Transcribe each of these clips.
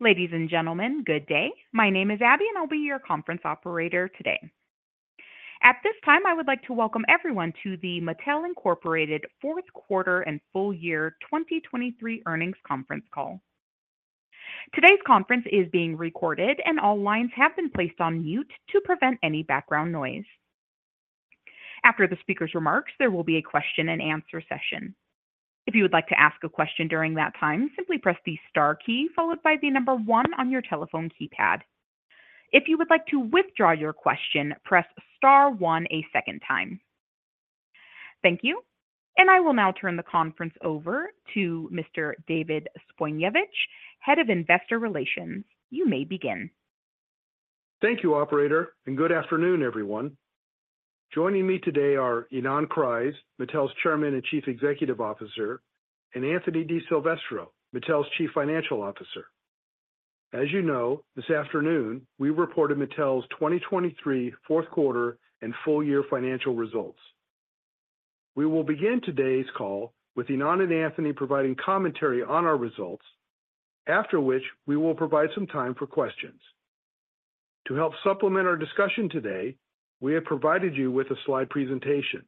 Ladies and gentlemen, good day. My name is Abby, and I'll be your conference operator today. At this time, I would like to welcome everyone to the Mattel, Inc. fourth quarter and full year 2023 earnings conference call. Today's conference is being recorded, and all lines have been placed on mute to prevent any background noise. After the speaker's remarks, there will be a question-and-answer session. If you would like to ask a question during that time, simply press the star key followed by the number one on your telephone keypad. If you would like to withdraw your question, press star one a second time. Thank you, and I will now turn the conference over to Mr. David Zbojniewicz, Head of Investor Relations. You may begin. Thank you, operator, and good afternoon, everyone. Joining me today are Ynon Kreiz, Mattel's Chairman and Chief Executive Officer, and Anthony DiSilvestro, Mattel's Chief Financial Officer. As you know, this afternoon, we reported Mattel's 2023 fourth quarter and full-year financial results. We will begin today's call with Ynon and Anthony providing commentary on our results, after which we will provide some time for questions. To help supplement our discussion today, we have provided you with a slide presentation.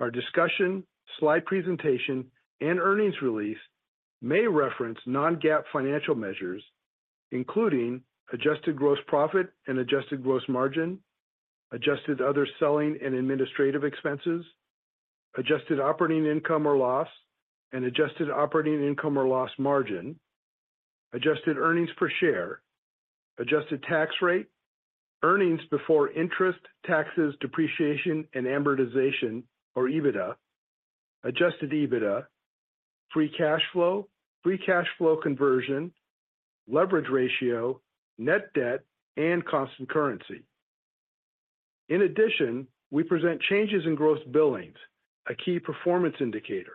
Our discussion, slide presentation, and earnings release may reference non-GAAP financial measures, including adjusted gross profit and adjusted gross margin, adjusted other selling and administrative expenses, adjusted operating income or loss, and adjusted operating income or loss margin, adjusted earnings per share, adjusted tax rate, earnings before interest, taxes, depreciation, and amortization, or EBITDA, adjusted EBITDA, free cash flow, free cash flow conversion, leverage ratio, net debt, and constant currency. In addition, we present changes in gross billings, a key performance indicator.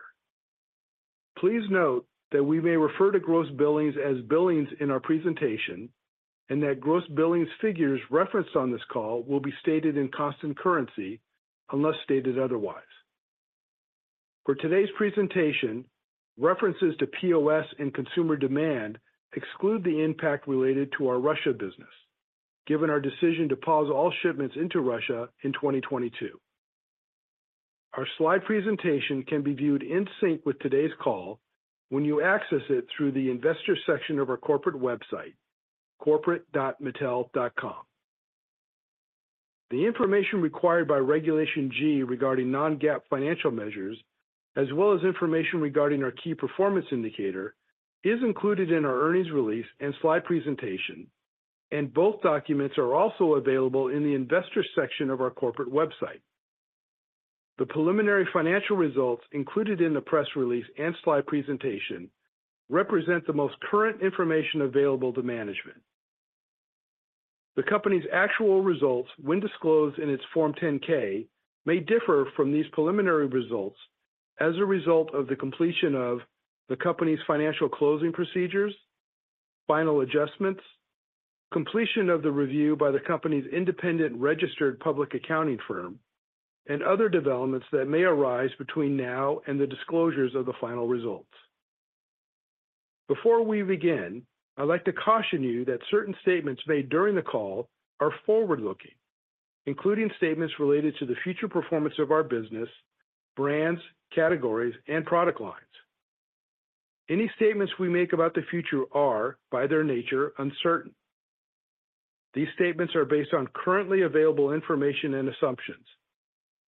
Please note that we may refer to gross billings as billings in our presentation, and that gross billings figures referenced on this call will be stated in constant currency, unless stated otherwise. For today's presentation, references to POS and consumer demand exclude the impact related to our Russia business, given our decision to pause all shipments into Russia in 2022. Our slide presentation can be viewed in sync with today's call when you access it through the investor section of our corporate website, corporate.mattel.com. The information required by Regulation G regarding non-GAAP financial measures, as well as information regarding our key performance indicator, is included in our earnings release and slide presentation, and both documents are also available in the investor section of our corporate website. The preliminary financial results included in the press release and slide presentation represent the most current information available to management. The company's actual results, when disclosed in its Form 10-K, may differ from these preliminary results as a result of the completion of the company's financial closing procedures, final adjustments, completion of the review by the company's independent registered public accounting firm, and other developments that may arise between now and the disclosures of the final results. Before we begin, I'd like to caution you that certain statements made during the call are forward-looking, including statements related to the future performance of our business, brands, categories, and product lines. Any statements we make about the future are, by their nature, uncertain. These statements are based on currently available information and assumptions,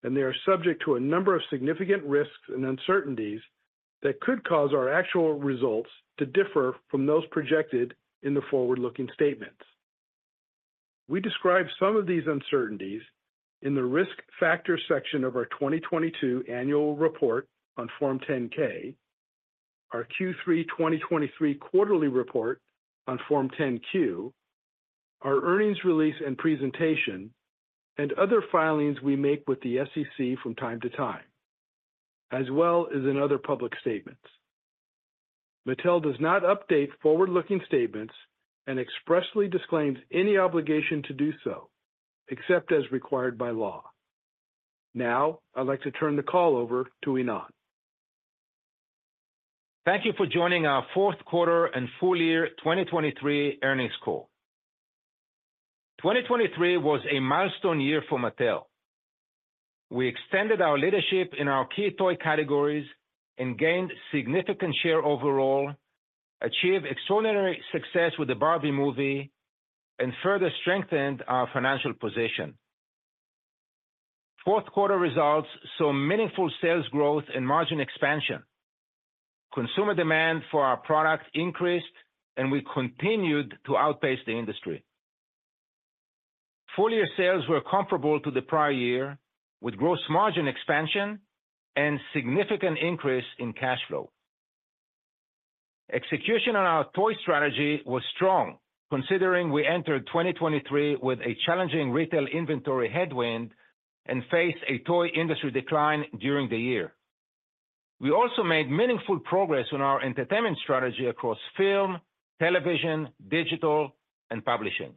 and they are subject to a number of significant risks and uncertainties that could cause our actual results to differ from those projected in the forward-looking statements. We describe some of these uncertainties in the Risk Factors section of our 2022 Annual Report on Form 10-K, our Q3 2023 Quarterly Report on Form 10-Q, our earnings release and presentation, and other filings we make with the SEC from time to time, as well as in other public statements. Mattel does not update forward-looking statements and expressly disclaims any obligation to do so, except as required by law. Now, I'd like to turn the call over to Ynon. Thank you for joining our fourth quarter and full year 2023 earnings call. 2023 was a milestone year for Mattel. We extended our leadership in our key toy categories and gained significant share overall, achieved extraordinary success with the Barbie movie, and further strengthened our financial position. Fourth quarter results saw meaningful sales growth and margin expansion. Consumer demand for our products increased, and we continued to outpace the industry. Full year sales were comparable to the prior year, with gross margin expansion and significant increase in cash flow. Execution on our toy strategy was strong, considering we entered 2023 with a challenging retail inventory headwind and faced a toy industry decline during the year. We also made meaningful progress on our entertainment strategy across film, television, digital, and publishing.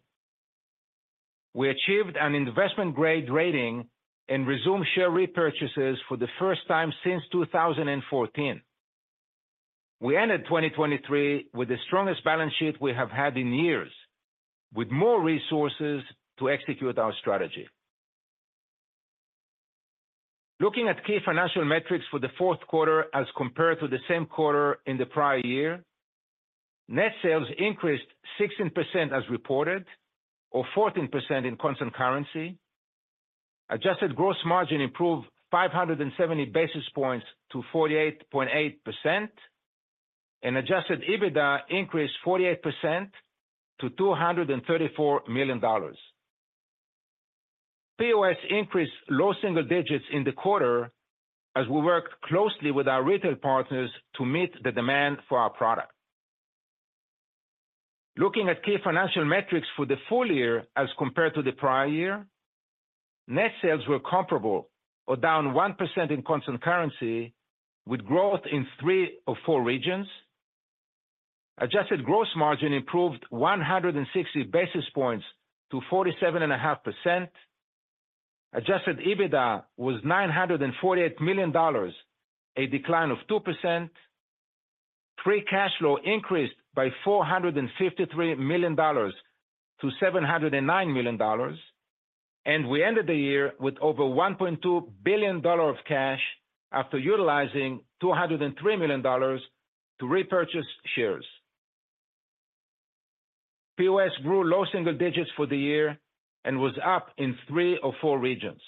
We achieved an investment-grade rating and resumed share repurchases for the first time since 2014. We ended 2023 with the strongest balance sheet we have had in years, with more resources to execute our strategy. Looking at key financial metrics for the fourth quarter as compared to the same quarter in the prior year, net sales increased 16% as reported, or 14% in constant currency. Adjusted gross margin improved 570 basis points to 48.8%, and adjusted EBITDA increased 48% to $234 million. POS increased low single digits in the quarter as we worked closely with our retail partners to meet the demand for our product. Looking at key financial metrics for the full year as compared to the prior year, net sales were comparable or down 1% in constant currency, with growth in three of four regions. Adjusted gross margin improved 160 basis points to 47.5%. Adjusted EBITDA was $948 million, a decline of 2%. Free cash flow increased by $453 million to $709 million, and we ended the year with over $1.2 billion of cash after utilizing $203 million to repurchase shares. POS grew low single digits for the year and was up in three of four regions.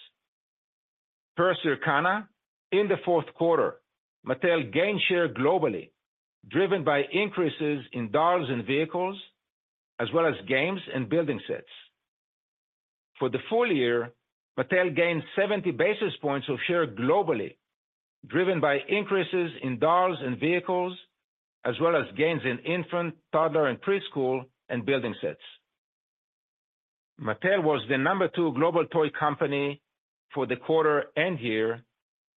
Per Circana, in the fourth quarter, Mattel gained share globally, driven by increases in Dolls and Vehicles, as well as Games and Building Sets. For the full year, Mattel gained 70 basis points of share globally, driven by increases in Dolls and Vehicles, as well as gains in Infant, Toddler and Preschool, and Building Sets. Mattel was the number two global toy company for the quarter and year,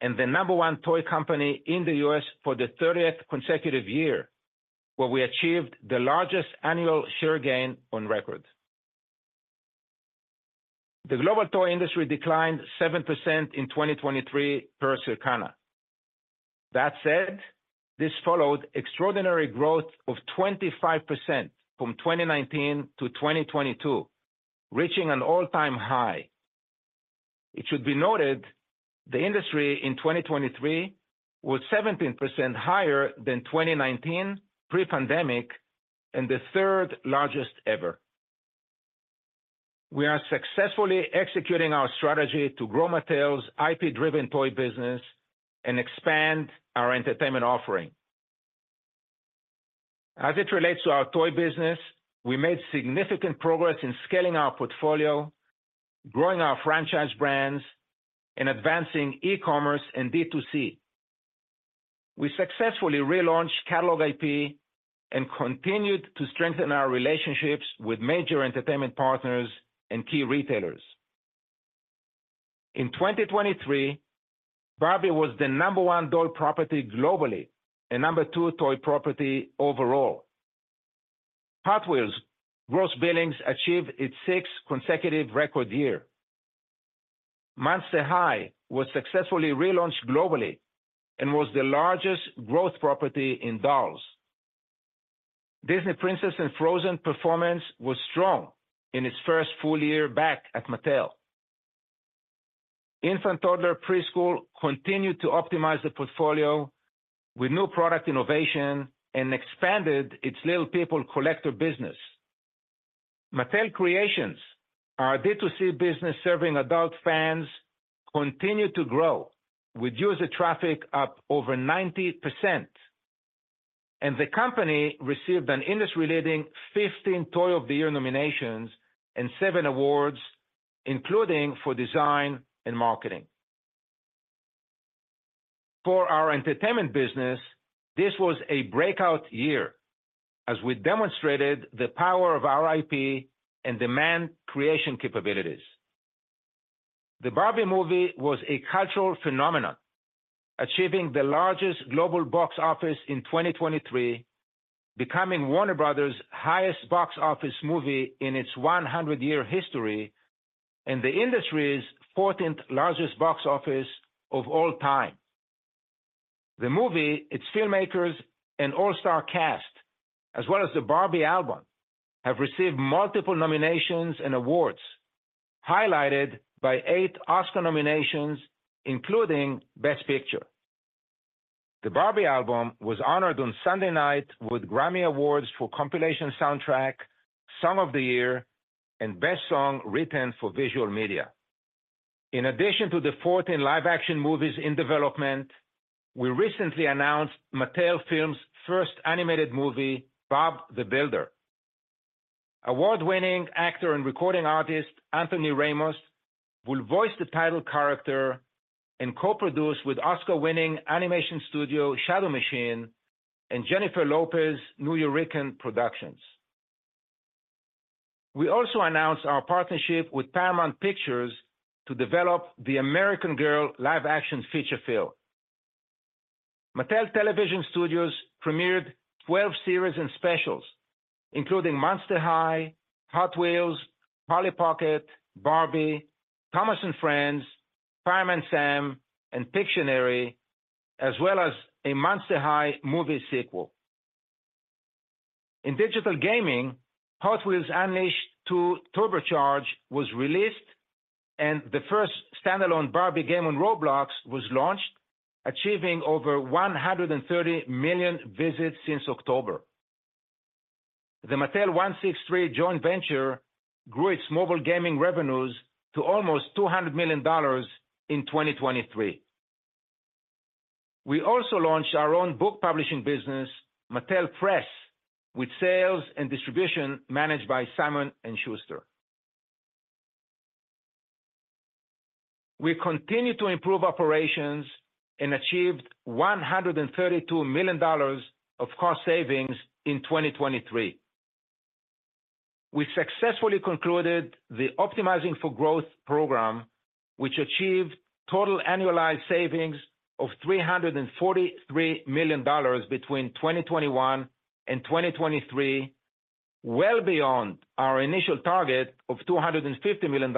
and the number one toy company in the U.S. for the 30th consecutive year, where we achieved the largest annual share gain on record. The global toy industry declined 7% in 2023 per Circana. That said, this followed extraordinary growth of 25% from 2019 to 2022, reaching an all-time high. It should be noted, the industry in 2023 was 17% higher than 2019 pre-pandemic, and the third largest ever. We are successfully executing our strategy to grow Mattel's IP-driven toy business and expand our entertainment offering. As it relates to our toy business, we made significant progress in scaling our portfolio, growing our franchise brands, and advancing e-commerce and D2C. We successfully relaunched catalog IP and continued to strengthen our relationships with major entertainment partners and key retailers. In 2023, Barbie was the number one doll property globally and number two toy property overall. Hot Wheels gross billings achieved its sixth consecutive record year. Monster High was successfully relaunched globally and was the largest growth property in Dolls. Disney Princess and Frozen performance was strong in its first full year back at Mattel. Infant Toddler Preschool continued to optimize the portfolio with new product innovation and expanded its Little People collector business. Mattel Creations, our D2C business, serving adult fans, continued to grow, with user traffic up over 90%, and the company received an industry-leading 15 Toy of the Year nominations and seven awards, including for design and marketing. For our entertainment business, this was a breakout year as we demonstrated the power of our IP and demand creation capabilities. The Barbie movie was a cultural phenomenon, achieving the largest global box office in 2023, becoming Warner Bros.' highest box office movie in its 100-year history and the industry's 14th largest box office of all time. The movie, its filmmakers, and all-star cast, as well as the Barbie album, have received multiple nominations and awards, highlighted by eight Oscar nominations, including Best Picture. The Barbie album was honored on Sunday night with Grammy awards for Compilation Soundtrack, Song of the Year, and Best Song Written for Visual Media. In addition to the 14 live-action movies in development, we recently announced Mattel Films' first animated movie, Bob the Builder. Award-winning actor and recording artist Anthony Ramos will voice the title character and co-produce with Oscar-winning animation studio, ShadowMachine, and Jennifer Lopez's Nuyorican Productions. We also announced our partnership with Paramount Pictures to develop the American Girl live-action feature film. Mattel Television Studios premiered 12 series and specials, including Monster High, Hot Wheels, Polly Pocket, Barbie, Thomas & Friends, Fireman Sam, and Pictionary, as well as a Monster High movie sequel. In digital gaming, Hot Wheels Unleashed 2: Turbocharged was released, and the first standalone Barbie game on Roblox was launched, achieving over 130 million visits since October. The Mattel163 joint venture grew its mobile gaming revenues to almost $200 million in 2023. We also launched our own book publishing business, Mattel Press, with sales and distribution managed by Simon & Schuster. We continued to improve operations and achieved $132 million of cost savings in 2023. We successfully concluded the Optimizing for Growth program, which achieved total annualized savings of $343 million between 2021 and 2023, well beyond our initial target of $250 million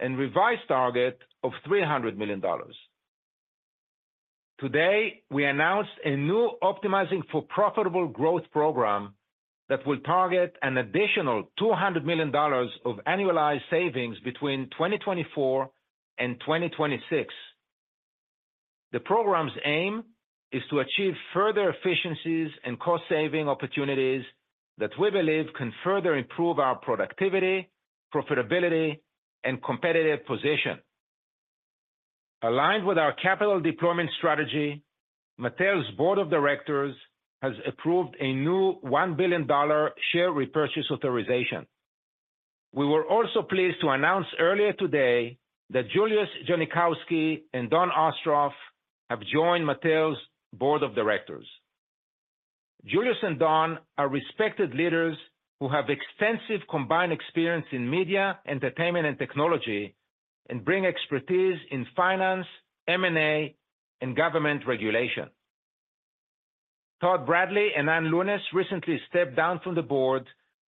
and revised target of $300 million. Today, we announced a new Optimizing for Profitable Growth program that will target an additional $200 million of annualized savings between 2024 and 2026. The program's aim is to achieve further efficiencies and cost-saving opportunities that we believe can further improve our productivity, profitability, and competitive position. Aligned with our capital deployment strategy, Mattel's Board of Directors has approved a new $1 billion share repurchase authorization. We were also pleased to announce earlier today that Julius Genachowski and Dawn Ostroff have joined Mattel's Board of Directors. Julius and Dawn are respected leaders who have extensive combined experience in media, entertainment, and technology and bring expertise in finance, M&A, and government regulation. Todd Bradley and Ann Lewnes recently stepped down from the board,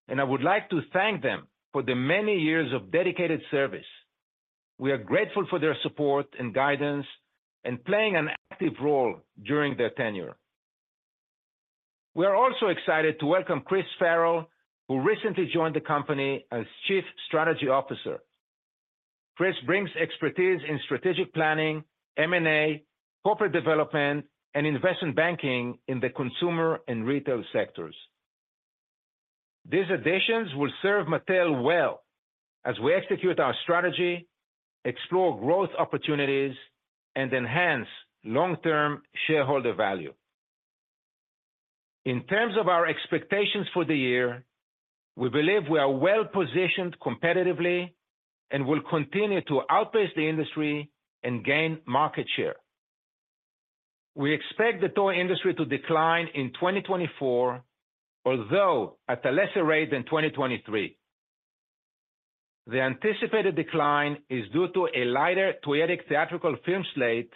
and I would like to thank them for the many years of dedicated service. We are grateful for their support and guidance and playing an active role during their tenure. We are also excited to welcome Chris Farrell, who recently joined the company as Chief Strategy Officer. Chris brings expertise in strategic planning, M&A, corporate development, and investment banking in the consumer and retail sectors. These additions will serve Mattel well as we execute our strategy, explore growth opportunities, and enhance long-term shareholder value. In terms of our expectations for the year, we believe we are well-positioned competitively and will continue to outpace the industry and gain market share. We expect the toy industry to decline in 2024, although at a lesser rate than 2023. The anticipated decline is due to a lighter toyetic theatrical film slate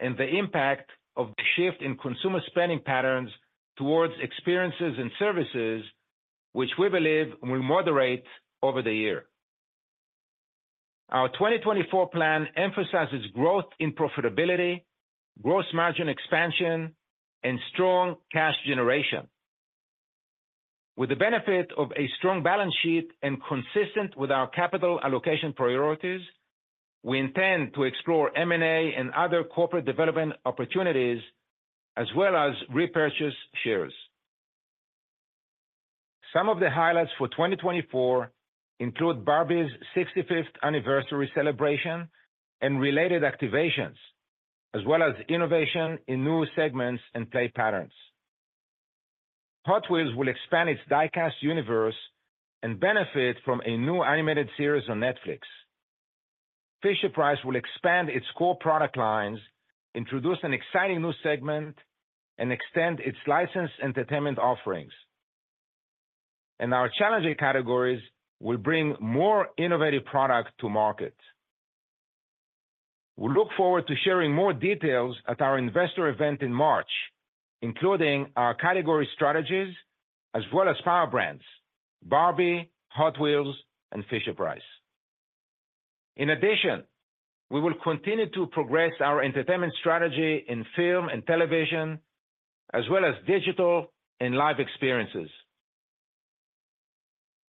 and the impact of the shift in consumer spending patterns towards experiences and services, which we believe will moderate over the year. Our 2024 plan emphasizes growth in profitability, gross margin expansion, and strong cash generation. With the benefit of a strong balance sheet and consistent with our capital allocation priorities, we intend to explore M&A and other corporate development opportunities, as well as repurchase shares. Some of the highlights for 2024 include Barbie's 65th anniversary celebration and related activations, as well as innovation in new segments and play patterns. Hot Wheels will expand its die-cast universe and benefit from a new animated series on Netflix. Fisher-Price will expand its core product lines, introduce an exciting new segment, and extend its licensed entertainment offerings. Our challenging categories will bring more innovative products to market. We look forward to sharing more details at our investor event in March, including our category strategies as well as power brands, Barbie, Hot Wheels, and Fisher-Price. In addition, we will continue to progress our entertainment strategy in film and television, as well as digital and live experiences.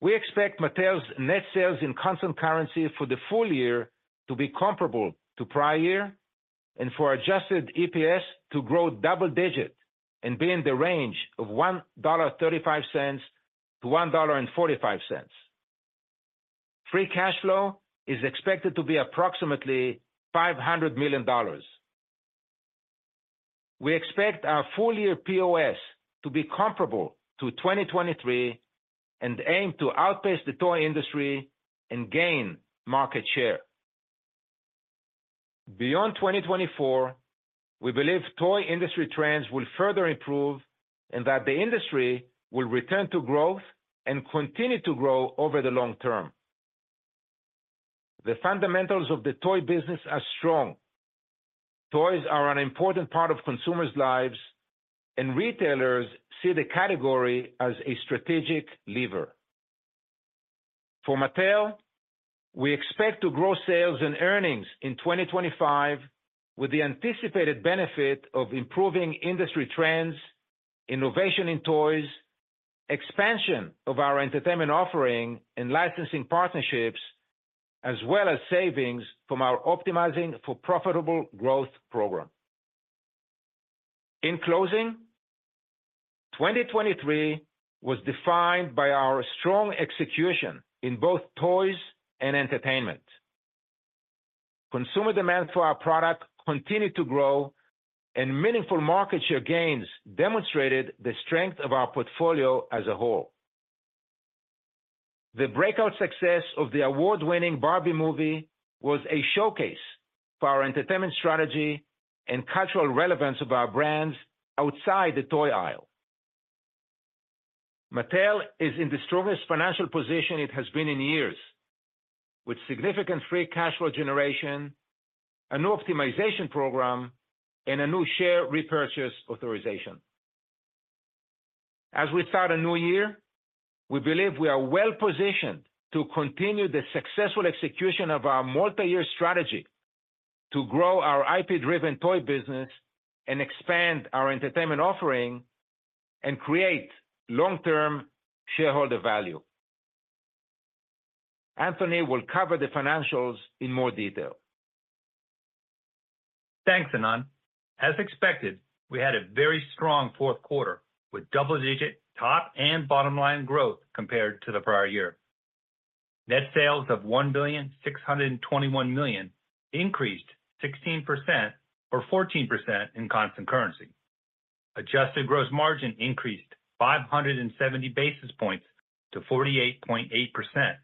We expect Mattel's net sales in constant currency for the full year to be comparable to prior year and for adjusted EPS to grow double digits and be in the range of $1.35-$1.45. Free cash flow is expected to be approximately $500 million. We expect our full-year POS to be comparable to 2023 and aim to outpace the toy industry and gain market share. Beyond 2024, we believe toy industry trends will further improve and that the industry will return to growth and continue to grow over the long term. The fundamentals of the toy business are strong. Toys are an important part of consumers' lives, and retailers see the category as a strategic lever. For Mattel, we expect to grow sales and earnings in 2025, with the anticipated benefit of improving industry trends, innovation in toys, expansion of our entertainment offering and licensing partnerships, as well as savings from our Optimizing for Profitable Growth program. In closing, 2023 was defined by our strong execution in both toys and entertainment. Consumer demand for our product continued to grow, and meaningful market share gains demonstrated the strength of our portfolio as a whole. The breakout success of the award-winning Barbie movie was a showcase for our entertainment strategy and cultural relevance of our brands outside the toy aisle. Mattel is in the strongest financial position it has been in years, with significant free cash flow generation, a new optimization program, and a new share repurchase authorization. As we start a new year, we believe we are well positioned to continue the successful execution of our multi-year strategy to grow our IP-driven toy business and expand our entertainment offering and create long-term shareholder value. Anthony will cover the financials in more detail. Thanks, Ynon. As expected, we had a very strong fourth quarter, with double-digit top and bottom line growth compared to the prior year. Net sales of $1,621 million increased 16% or 14% in constant currency. Adjusted gross margin increased 570 basis points to 48.8%.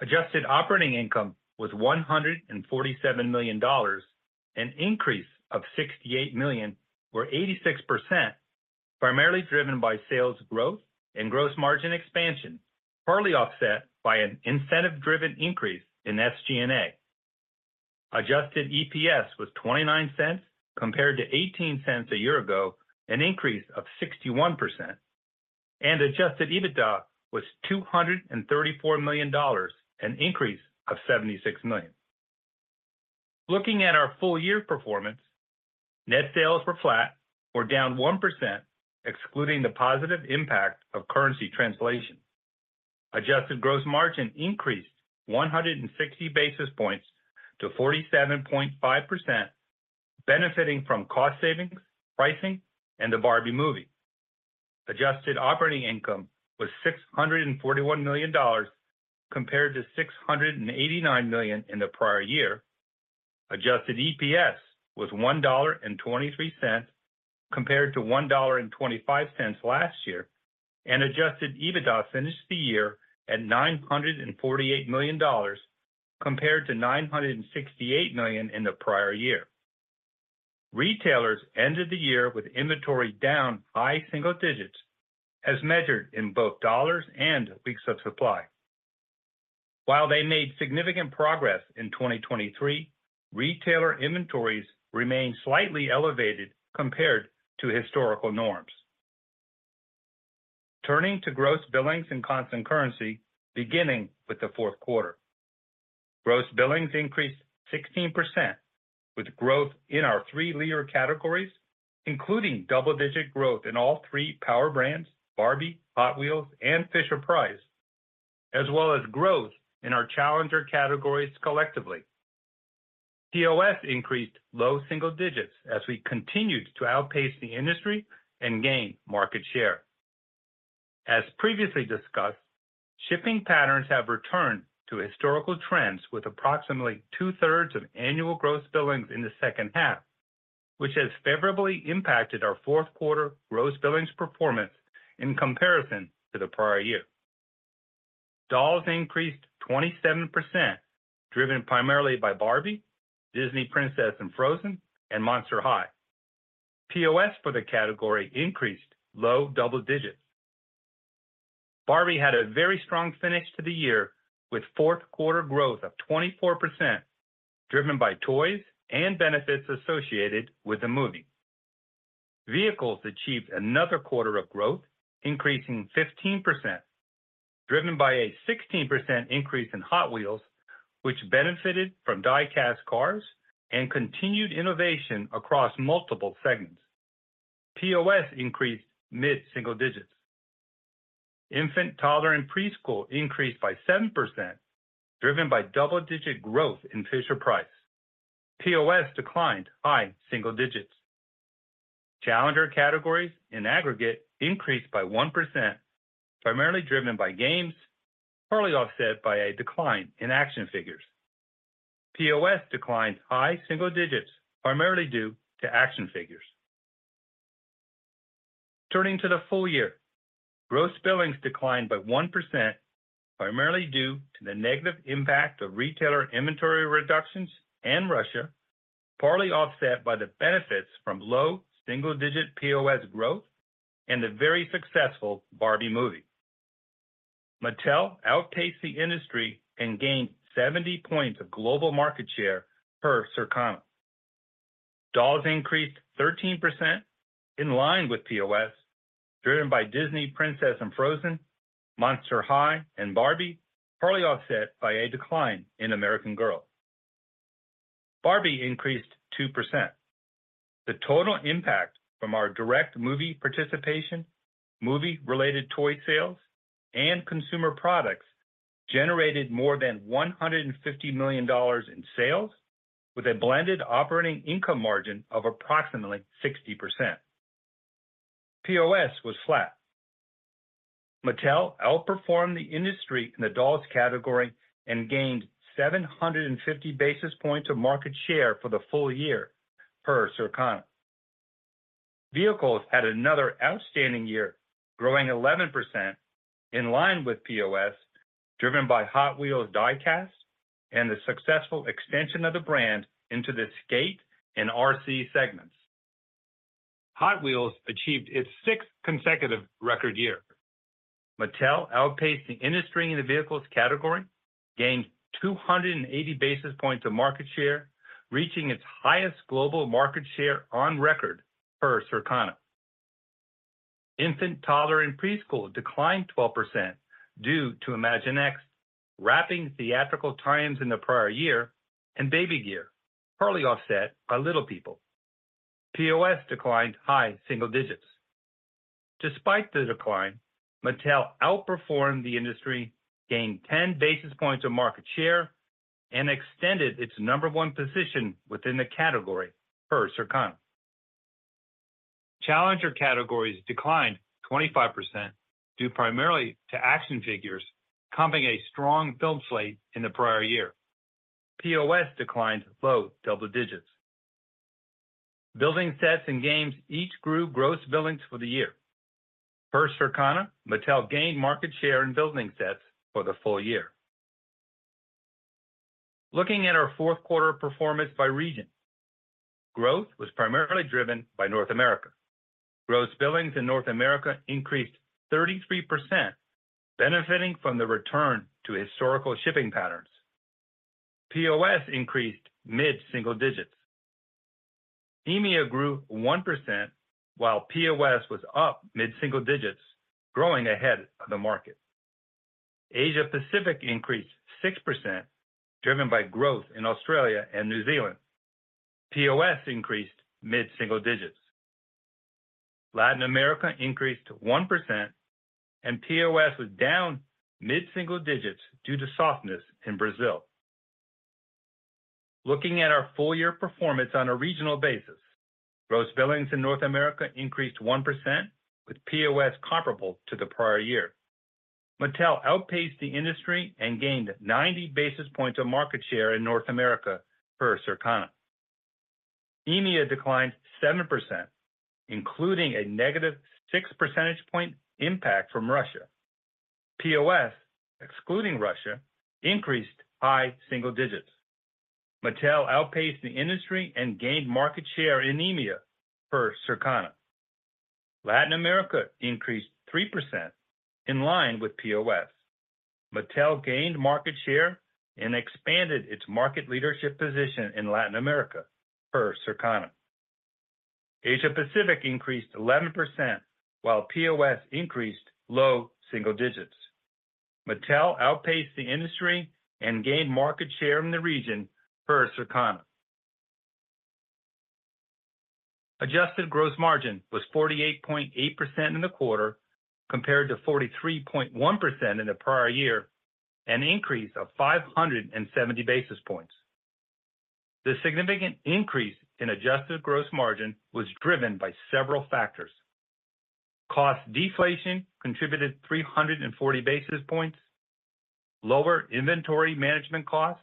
Adjusted operating income was $147 million, an increase of $68 million or 86%, primarily driven by sales growth and gross margin expansion, partly offset by an incentive-driven increase in SG&A. Adjusted EPS was $0.29, compared to $0.18 a year ago, an increase of 61%, and adjusted EBITDA was $234 million, an increase of $76 million. Looking at our full year performance, net sales were flat or down 1%, excluding the positive impact of currency translation. Adjusted gross margin increased 100 basis points to 47.5%, benefiting from cost savings, pricing, and the Barbie movie. Adjusted operating income was $641 million, compared to $689 million in the prior year. Adjusted EPS was $1.23, compared to $1.25 last year, and adjusted EBITDA finished the year at $948 million, compared to $968 million in the prior year. Retailers ended the year with inventory down high single digits, as measured in both dollars and weeks of supply. While they made significant progress in 2023, retailer inventories remain slightly elevated compared to historical norms. Turning to gross billings and constant currency, beginning with the fourth quarter. Gross billings increased 16%, with growth in our three leader categories, including double-digit growth in all three power brands, Barbie, Hot Wheels, and Fisher-Price, as well as growth in our Challenger categories collectively. POS increased low single digits as we continued to outpace the industry and gain market share. As previously discussed, shipping patterns have returned to historical trends with approximately 2/3 of annual gross billings in the second half, which has favorably impacted our fourth quarter gross billings performance in comparison to the prior year. Dolls increased 27%, driven primarily by Barbie, Disney Princess and Frozen, and Monster High. POS for the category increased low double digits. Barbie had a very strong finish to the year, with fourth quarter growth of 24%, driven by toys and benefits associated with the movie. Vehicles achieved another quarter of growth, increasing 15%, driven by a 16% increase in Hot Wheels, which benefited from die-cast cars and continued innovation across multiple segments. POS increased mid-single digits. Infant, Toddler, and Preschool increased by 7%, driven by double-digit growth in Fisher-Price. POS declined high single digits. Challenger categories in aggregate increased by 1%, primarily driven by Games, partly offset by a decline in action figures. POS declined high single digits, primarily due to action figures. Turning to the full year, gross billings declined by 1%, primarily due to the negative impact of retailer inventory reductions and Russia. Partly offset by the benefits from low single-digit POS growth and the very successful Barbie movie. Mattel outpaced the industry and gained 70 points of global market share per Circana. Dolls increased 13%, in line with POS, driven by Disney Princess and Frozen, Monster High, and Barbie, partly offset by a decline in American Girl. Barbie increased 2%. The total impact from our direct movie participation, movie-related toy sales, and consumer products generated more than $150 million in sales, with a blended operating income margin of approximately 60%. POS was flat. Mattel outperformed the industry in the Dolls category and gained 750 basis points of market share for the full year per Circana. Vehicles had another outstanding year, growing 11%, in line with POS, driven by Hot Wheels die-cast and the successful extension of the brand into the skate and RC segments. Hot Wheels achieved its sixth consecutive record year. Mattel outpaced the industry in the Vehicles category, gained 280 basis points of market share, reaching its highest global market share on record per Circana. Infant, Toddler, and Preschool declined 12% due to Imaginext, lapping theatrical tie-ins in the prior year and baby gear, partly offset by Little People. POS declined high single digits. Despite the decline, Mattel outperformed the industry, gained 10 basis points of market share, and extended its number one position within the category per Circana. Challenger categories declined 25%, due primarily to action figures, coming a strong film slate in the prior year. POS declined low double digits. Building Sets and Games each grew gross billings for the year. Per Circana, Mattel gained market share in Building Sets for the full year. Looking at our fourth quarter performance by region, growth was primarily driven by North America. Gross billings in North America increased 33%, benefiting from the return to historical shipping patterns. POS increased mid-single digits. EMEA grew 1%, while POS was up mid-single digits, growing ahead of the market. Asia Pacific increased 6%, driven by growth in Australia and New Zealand. POS increased mid-single digits. Latin America increased 1%, and POS was down mid-single digits due to softness in Brazil. Looking at our full year performance on a regional basis, gross billings in North America increased 1%, with POS comparable to the prior year. Mattel outpaced the industry and gained 90 basis points of market share in North America per Circana. EMEA declined 7%, including a -6 percentage point impact from Russia. POS, excluding Russia, increased high single digits. Mattel outpaced the industry and gained market share in EMEA per Circana. Latin America increased 3% in line with POS. Mattel gained market share and expanded its market leadership position in Latin America per Circana. Asia Pacific increased 11%, while POS increased low single digits. Mattel outpaced the industry and gained market share in the region per Circana. Adjusted gross margin was 48.8% in the quarter, compared to 43.1% in the prior year, an increase of 570 basis points. The significant increase in adjusted gross margin was driven by several factors. Cost deflation contributed 340 basis points. Lower inventory management costs,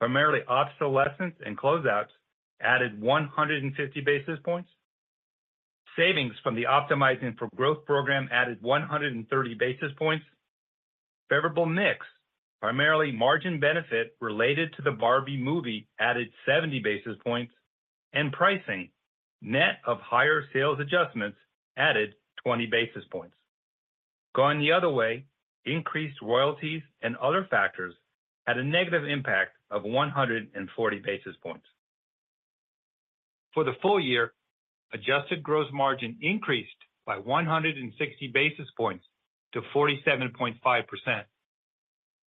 primarily obsolescence and closeouts, added 150 basis points. Savings from the Optimizing for Growth program added 130 basis points. Favorable mix, primarily margin benefit related to the Barbie movie, added 70 basis points, and pricing, net of higher sales adjustments, added 20 basis points. Going the other way, increased royalties and other factors had a negative impact of 140 basis points. For the full year, adjusted gross margin increased by 160 basis points to 47.5%.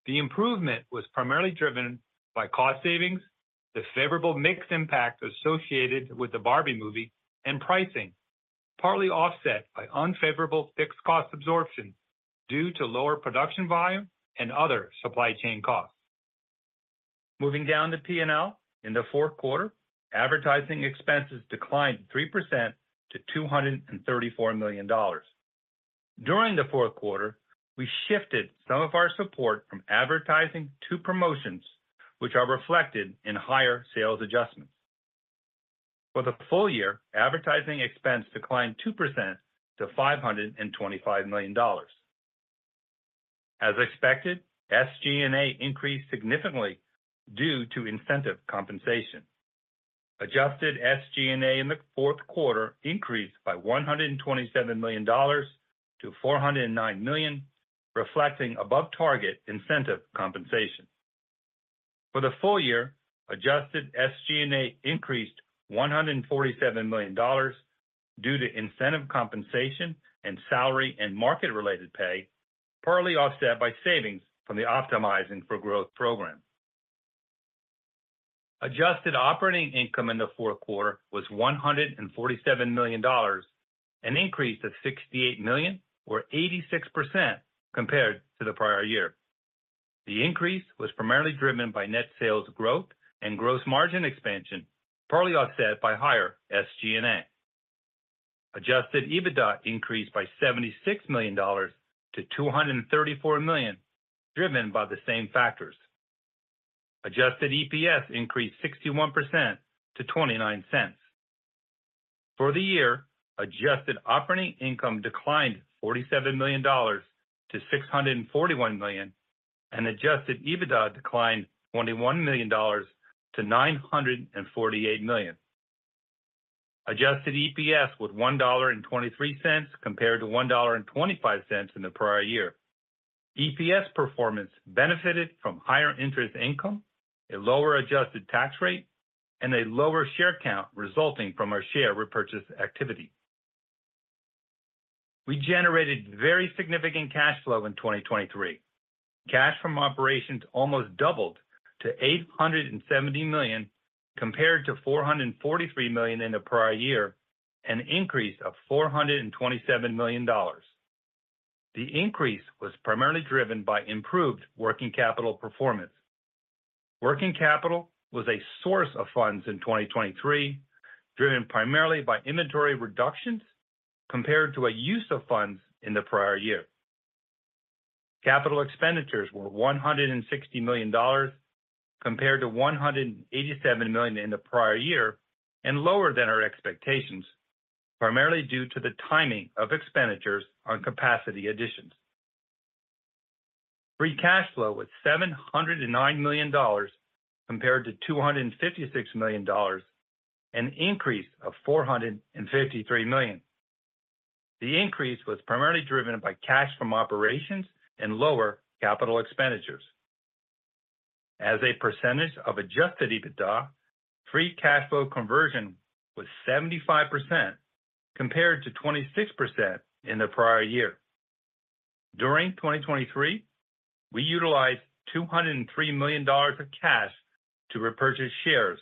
The improvement was primarily driven by cost savings, the favorable mix impact associated with the Barbie movie, and pricing, partly offset by unfavorable fixed cost absorption due to lower production volume and other supply chain costs. Moving down to P&L, in the fourth quarter, advertising expenses declined 3% to $234 million. During the fourth quarter, we shifted some of our support from advertising to promotions, which are reflected in higher sales adjustments. For the full year, advertising expense declined 2% to $525 million. As expected, SG&A increased significantly due to incentive compensation. Adjusted SG&A in the fourth quarter increased by $127 million to $409 million, reflecting above-target incentive compensation. For the full year, adjusted SG&A increased $147 million due to incentive compensation and salary and market-related pay, partly offset by savings from the Optimizing for Growth program. Adjusted operating income in the fourth quarter was $147 million, an increase of $68 million, or 86% compared to the prior year. The increase was primarily driven by net sales growth and gross margin expansion, partly offset by higher SG&A. Adjusted EBITDA increased by $76 million to $234 million, driven by the same factors. Adjusted EPS increased 61% to $0.29. For the year, adjusted operating income declined $47 million to $641 million, and adjusted EBITDA declined $21 million to $948 million. Adjusted EPS was $1.23, compared to $1.25 in the prior year. EPS performance benefited from higher interest income, a lower adjusted tax rate, and a lower share count resulting from our share repurchase activity. We generated very significant cash flow in 2023. Cash from operations almost doubled to $870 million, compared to $443 million in the prior year, an increase of $427 million. The increase was primarily driven by improved working capital performance. Working capital was a source of funds in 2023, driven primarily by inventory reductions compared to a use of funds in the prior year. Capital expenditures were $160 million, compared to $187 million in the prior year, and lower than our expectations, primarily due to the timing of expenditures on capacity additions. Free cash flow was $709 million, compared to $256 million, an increase of $453 million. The increase was primarily driven by cash from operations and lower capital expenditures. As a percentage of adjusted EBITDA, free cash flow conversion was 75%, compared to 26% in the prior year. During 2023, we utilized $203 million of cash to repurchase shares,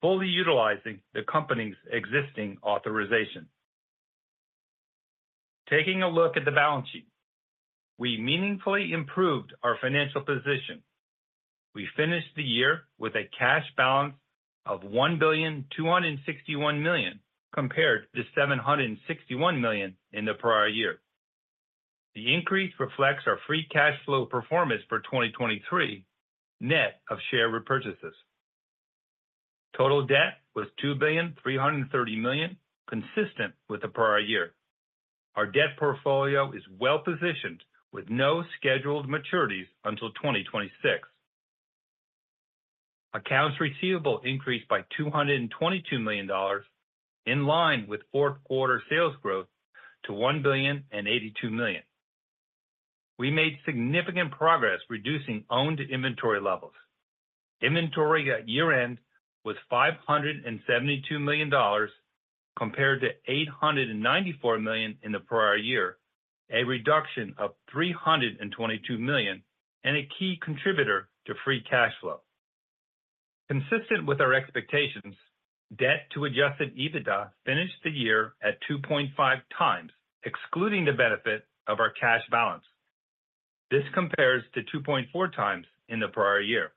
fully utilizing the company's existing authorization. Taking a look at the balance sheet, we meaningfully improved our financial position. We finished the year with a cash balance of $1.261 billion, compared to $761 million in the prior year. The increase reflects our free cash flow performance for 2023, net of share repurchases. Total debt was $2.33 billion, consistent with the prior year. Our debt portfolio is well positioned, with no scheduled maturities until 2026. Accounts receivable increased by $222 million, in line with fourth quarter sales growth to $1.082 billion. We made significant progress reducing owned inventory levels. Inventory at year-end was $572 million, compared to $894 million in the prior year, a reduction of $322 million, and a key contributor to free cash flow. Consistent with our expectations, debt to adjusted EBITDA finished the year at 2.5x, excluding the benefit of our cash balance. This compares to 2.4x in the prior year.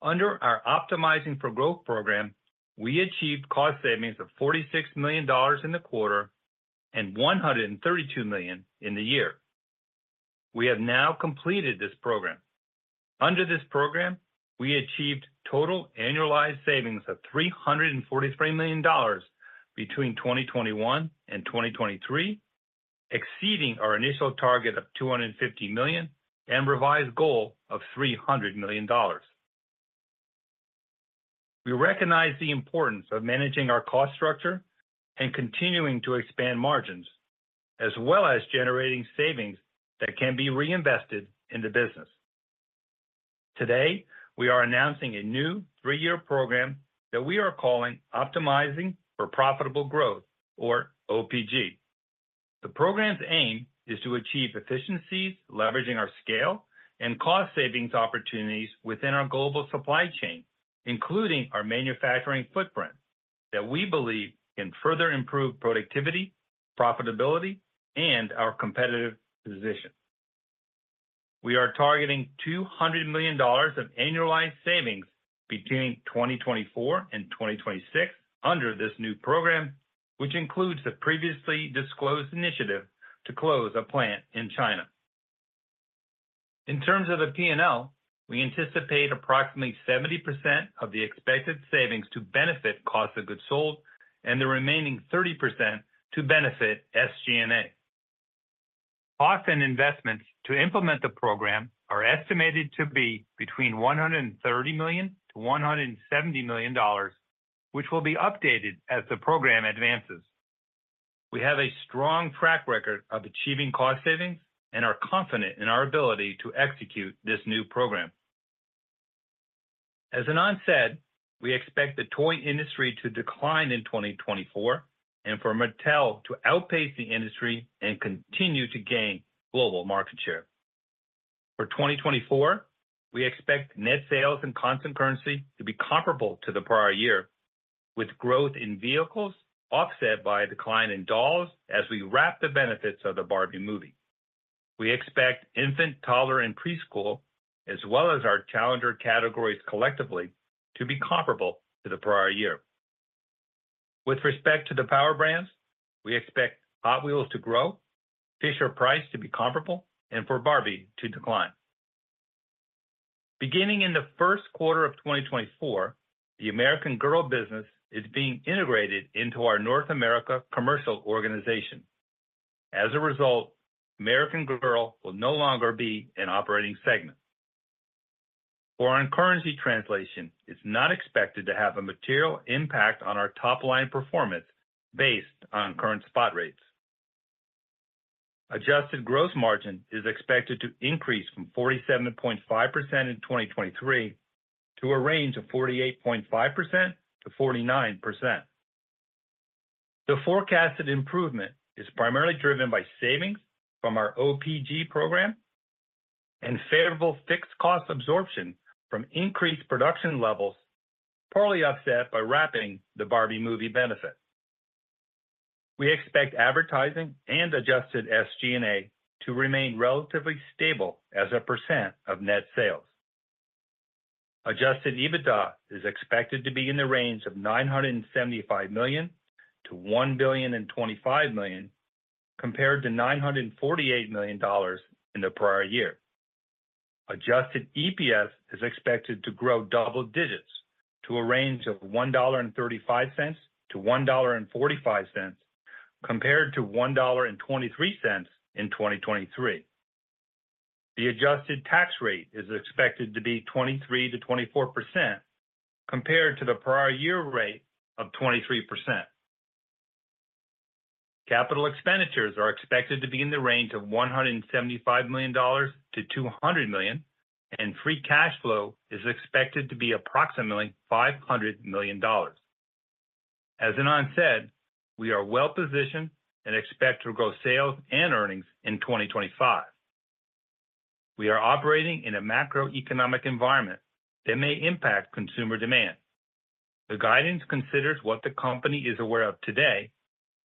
Under our Optimizing for Growth program, we achieved cost savings of $46 million in the quarter and $132 million in the year. We have now completed this program. Under this program, we achieved total annualized savings of $343 million between 2021 and 2023, exceeding our initial target of $250 million and revised goal of $300 million. We recognize the importance of managing our cost structure and continuing to expand margins, as well as generating savings that can be reinvested in the business. Today, we are announcing a new three-year program that we are calling Optimizing for Profitable Growth, or OPG. The program's aim is to achieve efficiencies, leveraging our scale and cost savings opportunities within our global supply chain, including our manufacturing footprint, that we believe can further improve productivity, profitability, and our competitive position. We are targeting $200 million of annualized savings between 2024 and 2026 under this new program, which includes the previously disclosed initiative to close a plant in China. In terms of the P&L, we anticipate approximately 70% of the expected savings to benefit cost of goods sold and the remaining 30% to benefit SG&A. Cost and investments to implement the program are estimated to be between $130 million and $170 million, which will be updated as the program advances. We have a strong track record of achieving cost savings and are confident in our ability to execute this new program. As Ynon said, we expect the toy industry to decline in 2024, and for Mattel to outpace the industry and continue to gain global market share. For 2024, we expect net sales in constant currency to be comparable to the prior year, with growth in Vehicles offset by a decline in Dolls as we wrap the benefits of the Barbie movie. We expect Infant, Toddler, and Preschool, as well as our Challenger categories collectively, to be comparable to the prior year. With respect to the power brands, we expect Hot Wheels to grow, Fisher-Price to be comparable, and for Barbie to decline. Beginning in the first quarter of 2024, the American Girl business is being integrated into our North America commercial organization. As a result, American Girl will no longer be an operating segment. Foreign currency translation is not expected to have a material impact on our top-line performance based on current spot rates. Adjusted gross margin is expected to increase from 47.5% in 2023 to a range of 48.5%-49%. The forecasted improvement is primarily driven by savings from our OPG program and favorable fixed cost absorption from increased production levels, partly offset by lapping the Barbie movie benefit. We expect advertising and adjusted SG&A to remain relatively stable as a percent of net sales. Adjusted EBITDA is expected to be in the range of $975 million-$1,025 million, compared to $948 million in the prior year. Adjusted EPS is expected to grow double digits to a range of $1.35-$1.45, compared to $1.23 in 2023. The adjusted tax rate is expected to be 23%-24%, compared to the prior year rate of 23%. Capital expenditures are expected to be in the range of $175 million-$200 million, and free cash flow is expected to be approximately $500 million. As Ynon said, we are well positioned and expect to grow sales and earnings in 2025. We are operating in a macroeconomic environment that may impact consumer demand. The guidance considers what the company is aware of today,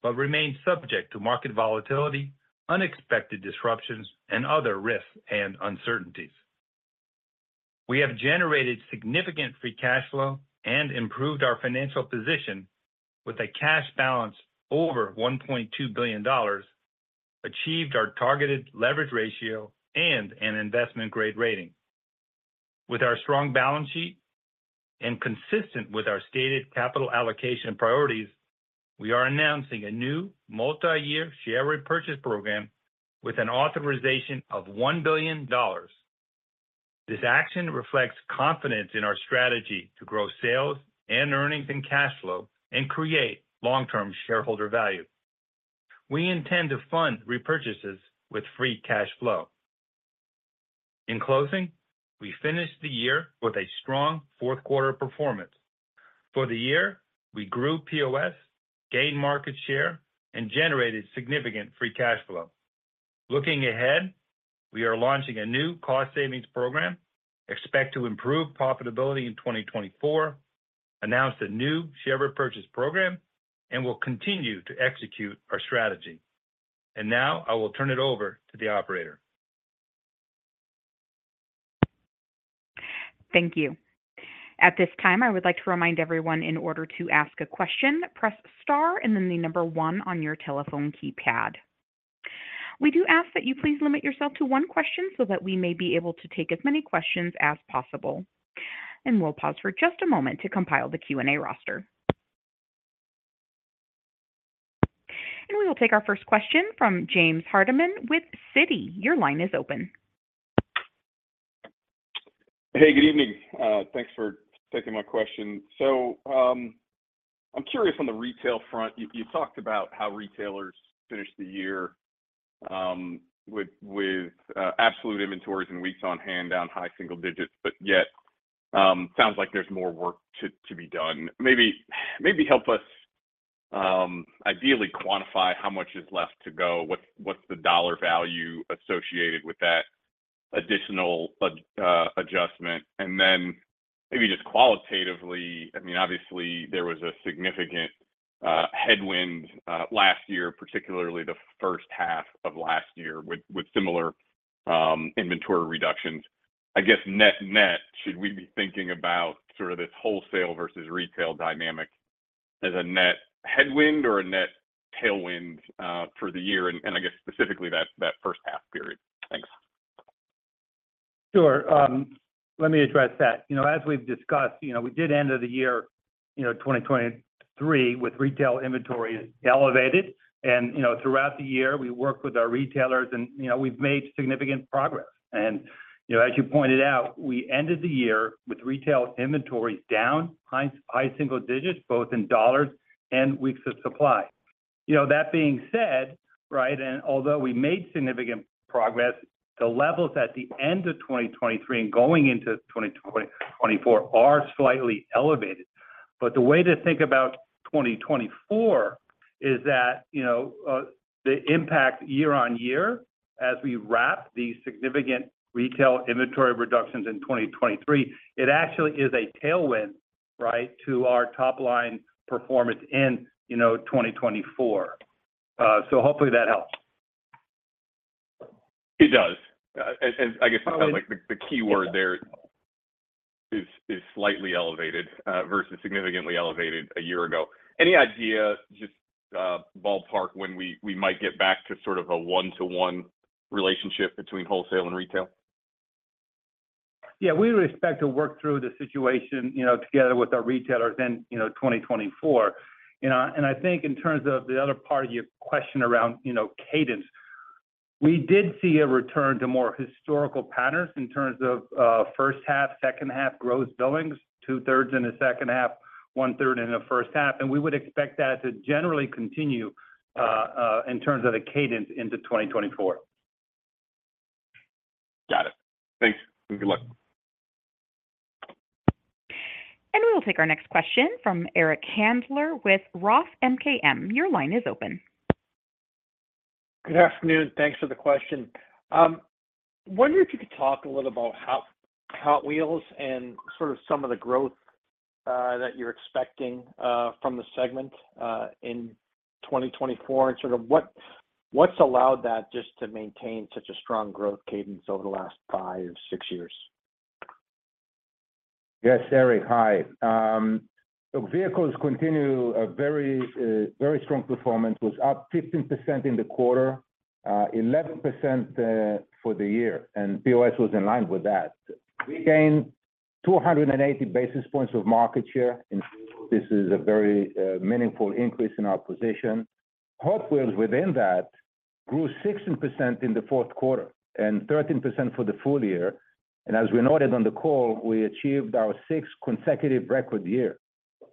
but remains subject to market volatility, unexpected disruptions, and other risks and uncertainties. We have generated significant free cash flow and improved our financial position with a cash balance over $1.2 billion, achieved our targeted leverage ratio and an investment-grade rating. With our strong balance sheet and consistent with our stated capital allocation priorities, we are announcing a new multi-year share repurchase program with an authorization of $1 billion. This action reflects confidence in our strategy to grow sales and earnings and cash flow and create long-term shareholder value. We intend to fund repurchases with free cash flow. In closing, we finished the year with a strong fourth quarter performance. For the year, we grew POS, gained market share, and generated significant free cash flow. Looking ahead, we are launching a new cost savings program, expect to improve profitability in 2024, announce a new share repurchase program, and will continue to execute our strategy. Now I will turn it over to the operator. Thank you. At this time, I would like to remind everyone, in order to ask a question, press star and then the number one on your telephone keypad. We do ask that you please limit yourself to one question so that we may be able to take as many questions as possible. We'll pause for just a moment to compile the Q&A roster. We will take our first question from James Hardiman with Citi. Your line is open. Hey, good evening. Thanks for taking my question. So, I'm curious on the retail front. You talked about how retailers finished the year with absolute inventories and weeks on hand down high single digits, but yet sounds like there's more work to be done. Maybe help us, ideally quantify how much is left to go, what's the dollar value associated with that additional adjustment? And then maybe just qualitatively, I mean, obviously, there was a significant headwind last year, particularly the first half of last year, with similar inventory reductions. I guess, net-net, should we be thinking about sort of this wholesale versus retail dynamic as a net headwind or a net tailwind for the year, and I guess specifically that first half period? Thanks. Sure. Let me address that. You know, as we've discussed, you know, we did end of the year, you know, 2023 with retail inventory elevated. And, you know, throughout the year, we worked with our retailers and, you know, we've made significant progress. And, you know, as you pointed out, we ended the year with retail inventories down high single digits, both in dollars and weeks of supply. You know, that being said, right, and although we made significant progress, the levels at the end of 2023 and going into 2024 are slightly elevated. But the way to think about 2024 is that, you know, the impact year-on-year as we wrap the significant retail inventory reductions in 2023, it actually is a tailwind, right, to our top line performance in, you know, 2024. So hopefully that helps. It does. And I guess like the keyword there is slightly elevated versus significantly elevated a year ago. Any idea, just ballpark, when we might get back to sort of a one-to-one relationship between wholesale and retail? Yeah, we expect to work through the situation, you know, together with our retailers in, you know, 2024. You know, and I think in terms of the other part of your question around, you know, cadence, we did see a return to more historical patterns in terms of first half, second half gross billings, 2/3 in the second half, 1/3 in the first half, and we would expect that to generally continue in terms of the cadence into 2024. Got it. Thanks, and good luck. We will take our next question from Eric Handler with Roth MKM. Your line is open. Good afternoon. Thanks for the question. Wonder if you could talk a little about Hot Wheels and sort of some of the growth that you're expecting from the segment in 2024, and sort of what's allowed that just to maintain such a strong growth cadence over the last five, six years? Yes, Eric, hi. So Vehicles continue a very, very strong performance, was up 15% in the quarter, 11% for the year, and POS was in line with that. We gained 280 basis points of market share, and this is a very meaningful increase in our position. Hot Wheels within that grew 16% in the fourth quarter and 13% for the full year. And as we noted on the call, we achieved our sixth consecutive record year.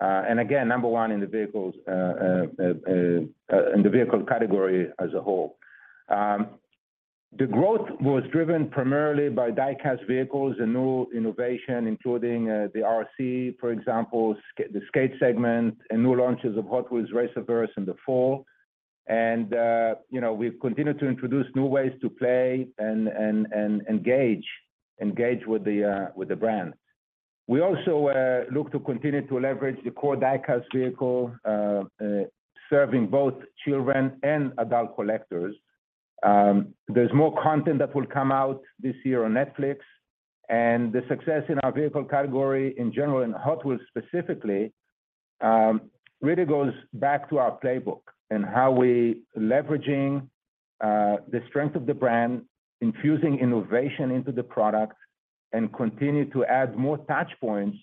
And again, number one in the Vehicles, in the Vehicle category as a whole. The growth was driven primarily by die-cast Vehicles and new innovation, including the RC, for example, the skate segment, and new launches of Hot Wheels RacerVerse in the fall. And, you know, we've continued to introduce new ways to play and engage with the brand. We also look to continue to leverage the core die-cast vehicle serving both children and adult collectors. There's more content that will come out this year on Netflix, and the success in our vehicle category in general, in Hot Wheels specifically, really goes back to our playbook and how we leveraging the strength of the brand, infusing innovation into the product, and continue to add more touch points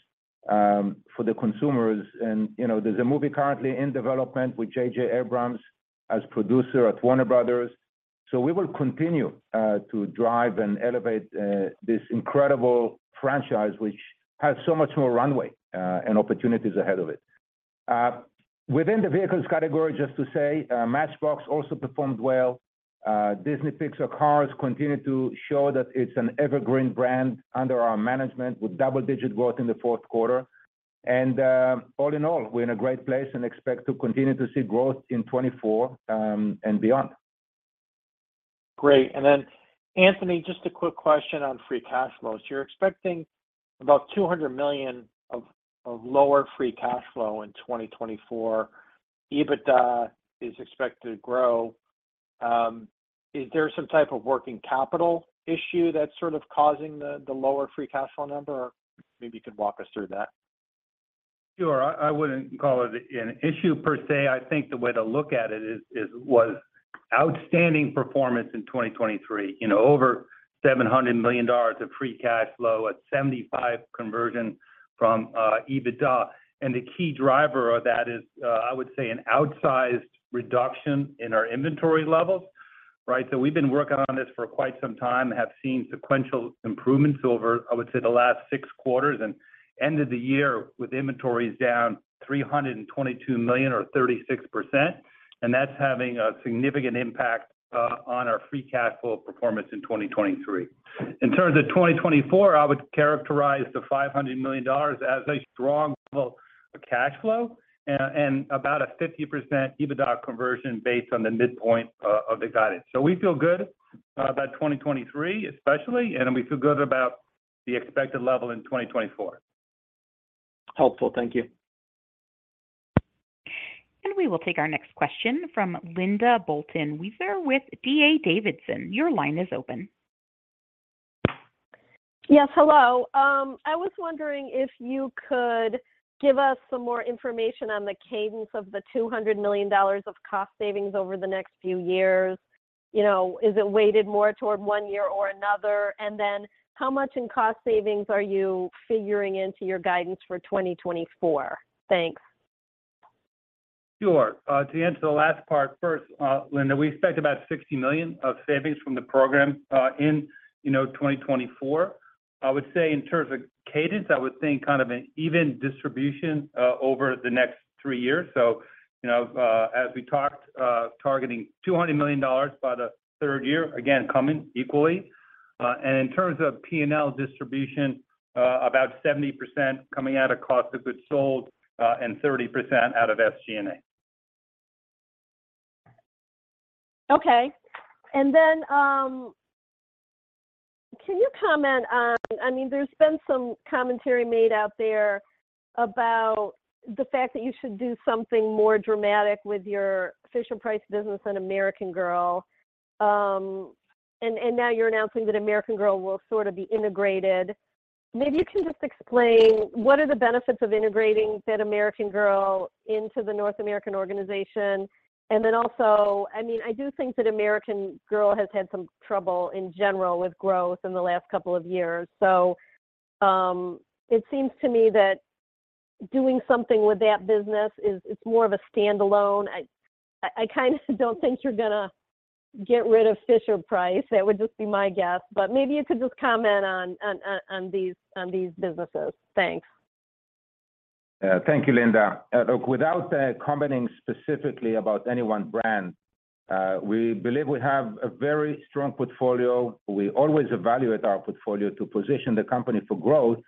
for the consumers. And, you know, there's a movie currently in development with J.J. Abrams as producer at Warner Bros. So we will continue to drive and elevate this incredible franchise, which has so much more runway and opportunities ahead of it. Within the Vehicles category, just to say, Matchbox also performed well. Disney Pixar Cars continued to show that it's an evergreen brand under our management, with double-digit growth in the fourth quarter. All in all, we're in a great place and expect to continue to see growth in 2024 and beyond. Great. Then, Anthony, just a quick question on free cash flow. You're expecting about $200 million of lower free cash flow in 2024. EBITDA is expected to grow. Is there some type of working capital issue that's sort of causing the lower free cash flow number? Maybe you could walk us through that. Sure. I wouldn't call it an issue per se. I think the way to look at it is was outstanding performance in 2023. You know, over $700 million of free cash flow at 75% conversion from EBITDA. And the key driver of that is, I would say an outsized reduction in our inventory levels, right? So we've been working on this for quite some time and have seen sequential improvements over, I would say, the last six quarters and ended the year with inventories down $322 million or 36%, and that's having a significant impact on our free cash flow performance in 2023. In terms of 2024, I would characterize the $500 million as a strong level of cash flow and, and about a 50% EBITDA conversion based on the midpoint of the guidance. So we feel good about 2023, especially, and we feel good about the expected level in 2024. Helpful. Thank you. We will take our next question from Linda Bolton Weiser with D.A. Davidson. Your line is open. Yes, hello. I was wondering if you could give us some more information on the cadence of the $200 million of cost savings over the next few years. You know, is it weighted more toward one year or another? And then how much in cost savings are you figuring into your guidance for 2024? Thanks. Sure. To answer the last part first, Linda, we expect about $60 million of savings from the program, in, you know, 2024. I would say in terms of cadence, I would think kind of an even distribution over the next three years. So, you know, as we talked, targeting $200 million by the third year, again, coming equally. And in terms of P&L distribution, about 70% coming out of cost of goods sold, and 30% out of SG&A. Okay. And then, can you comment on... I mean, there's been some commentary made out there about the fact that you should do something more dramatic with your Fisher-Price business than American Girl. And now you're announcing that American Girl will sort of be integrated. Maybe you can just explain, what are the benefits of integrating that American Girl into the North American organization? And then also, I mean, I do think that American Girl has had some trouble in general with growth in the last couple of years. So, it seems to me that doing something with that business is... It's more of a standalone. I kind of don't think you're gonna get rid of Fisher-Price. That would just be my guess, but maybe you could just comment on these businesses. Thanks. Thank you, Linda. Look, without commenting specifically about any one brand, we believe we have a very strong portfolio. We always evaluate our portfolio to position the company for growth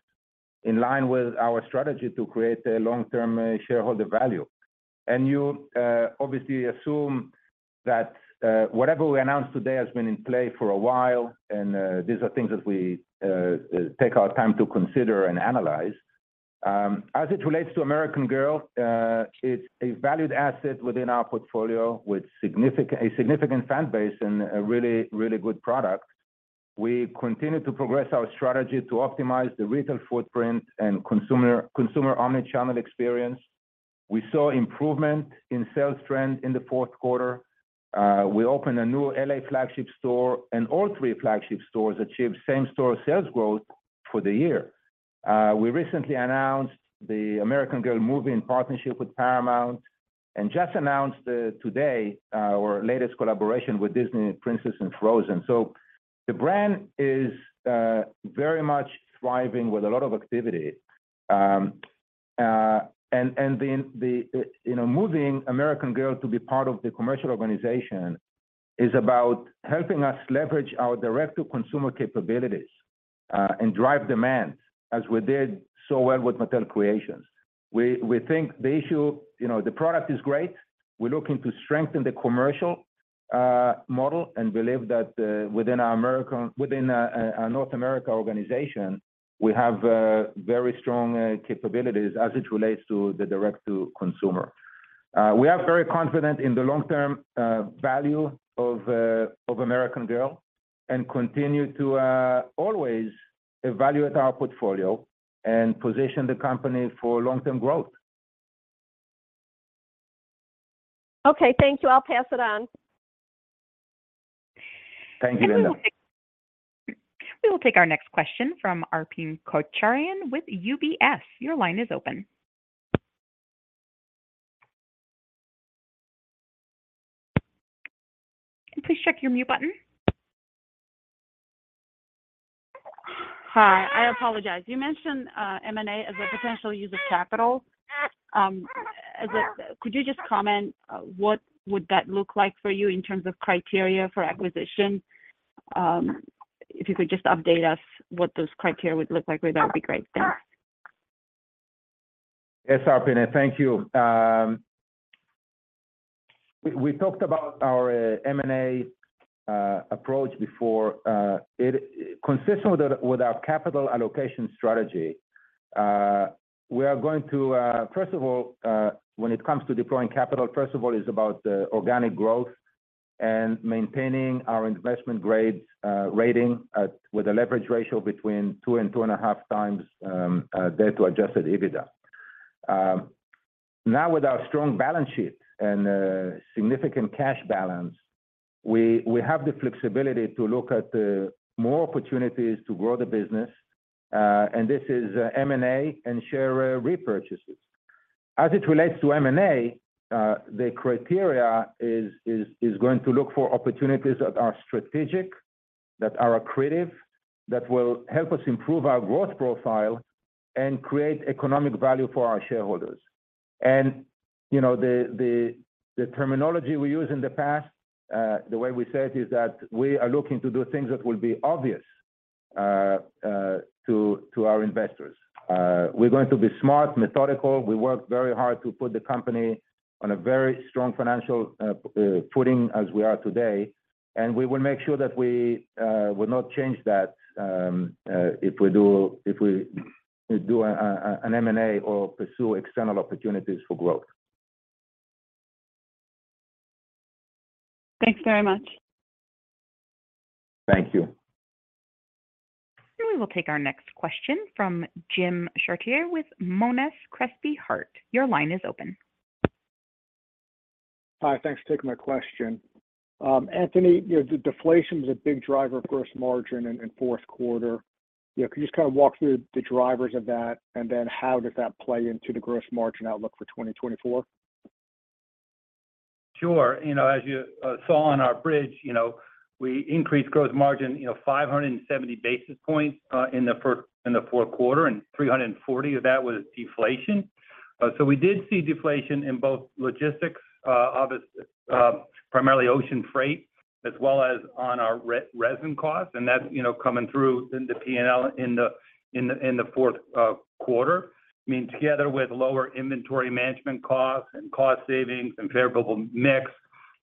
in line with our strategy to create a long-term shareholder value. You obviously assume that whatever we announce today has been in play for a while, and these are things that we take our time to consider and analyze. As it relates to American Girl, it's a valued asset within our portfolio, with a significant fan base and a really, really good product. We continue to progress our strategy to optimize the retail footprint and consumer omni-channel experience. We saw improvement in sales trend in the fourth quarter. We opened a new L.A. flagship store, and all three flagship stores achieved same-store sales growth for the year. We recently announced the American Girl movie in partnership with Paramount, and just announced today our latest collaboration with Disney Princess and Frozen. So the brand is very much thriving with a lot of activity. You know, moving American Girl to be part of the commercial organization is about helping us leverage our direct-to-consumer capabilities and drive demand, as we did so well with Mattel Creations. We think the issue... You know, the product is great. We're looking to strengthen the commercial model and believe that, within our North America organization, we have very strong capabilities as it relates to the direct-to-consumer. We are very confident in the long-term value of American Girl, and continue to always evaluate our portfolio and position the company for long-term growth. Okay, thank you. I'll pass it on. Thank you, Linda. We will take our next question from Arpine Kocharyan with UBS. Your line is open. Can you please check your mute button? Hi, I apologize. You mentioned, M&A as a potential use of capital. Could you just comment, what would that look like for you in terms of criteria for acquisition? If you could just update us what those criteria would look like, that would be great. Thanks. Yes, Arpine, and thank you. We talked about our M&A approach before. Consistent with our capital allocation strategy, we are going to, first of all, when it comes to deploying capital, first of all, is about organic growth and maintaining our investment grade rating with a leverage ratio between two and 2.5x debt-to-adjusted EBITDA. Now, with our strong balance sheet and significant cash balance, we have the flexibility to look at more opportunities to grow the business, and this is M&A and share repurchases. As it relates to M&A, the criteria is going to look for opportunities that are strategic, that are accretive, that will help us improve our growth profile and create economic value for our shareholders. And, you know, the terminology we used in the past, the way we said it, is that we are looking to do things that will be obvious to our investors. We're going to be smart, methodical. We worked very hard to put the company on a very strong financial footing as we are today, and we will make sure that we will not change that if we do an M&A or pursue external opportunities for growth. Thanks very much. Thank you. We will take our next question from Jim Chartier with Monness, Crespi, Hardt. Your line is open. Hi, thanks for taking my question. Anthony, you know, the deflation was a big driver of gross margin in fourth quarter. Yeah, can you just kind of walk through the drivers of that, and then how does that play into the gross margin outlook for 2024? Sure. You know, as you saw on our bridge, you know, we increased gross margin, you know, 570 basis points in the fourth quarter, and 340 of that was deflation. So we did see deflation in both logistics, primarily ocean freight, as well as on our resin costs, and that's, you know, coming through in the P&L in the fourth quarter. I mean, together with lower inventory management costs and cost savings and favorable mix,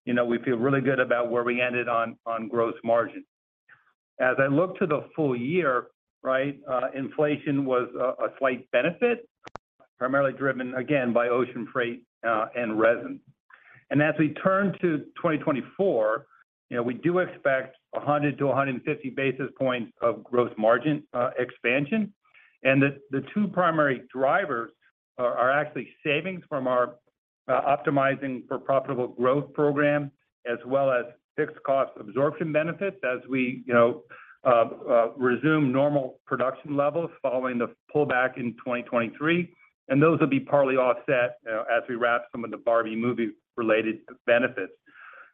you know, we feel really good about where we ended on gross margin. As I look to the full year, inflation was a slight benefit, primarily driven again by ocean freight and resin. As we turn to 2024, you know, we do expect 100-150 basis points of gross margin expansion. The two primary drivers are actually savings from our Optimizing for Profitable Growth program, as well as fixed cost absorption benefits, as we, you know, resume normal production levels following the pullback in 2023, and those will be partly offset as we wrap some of the Barbie movie related benefits.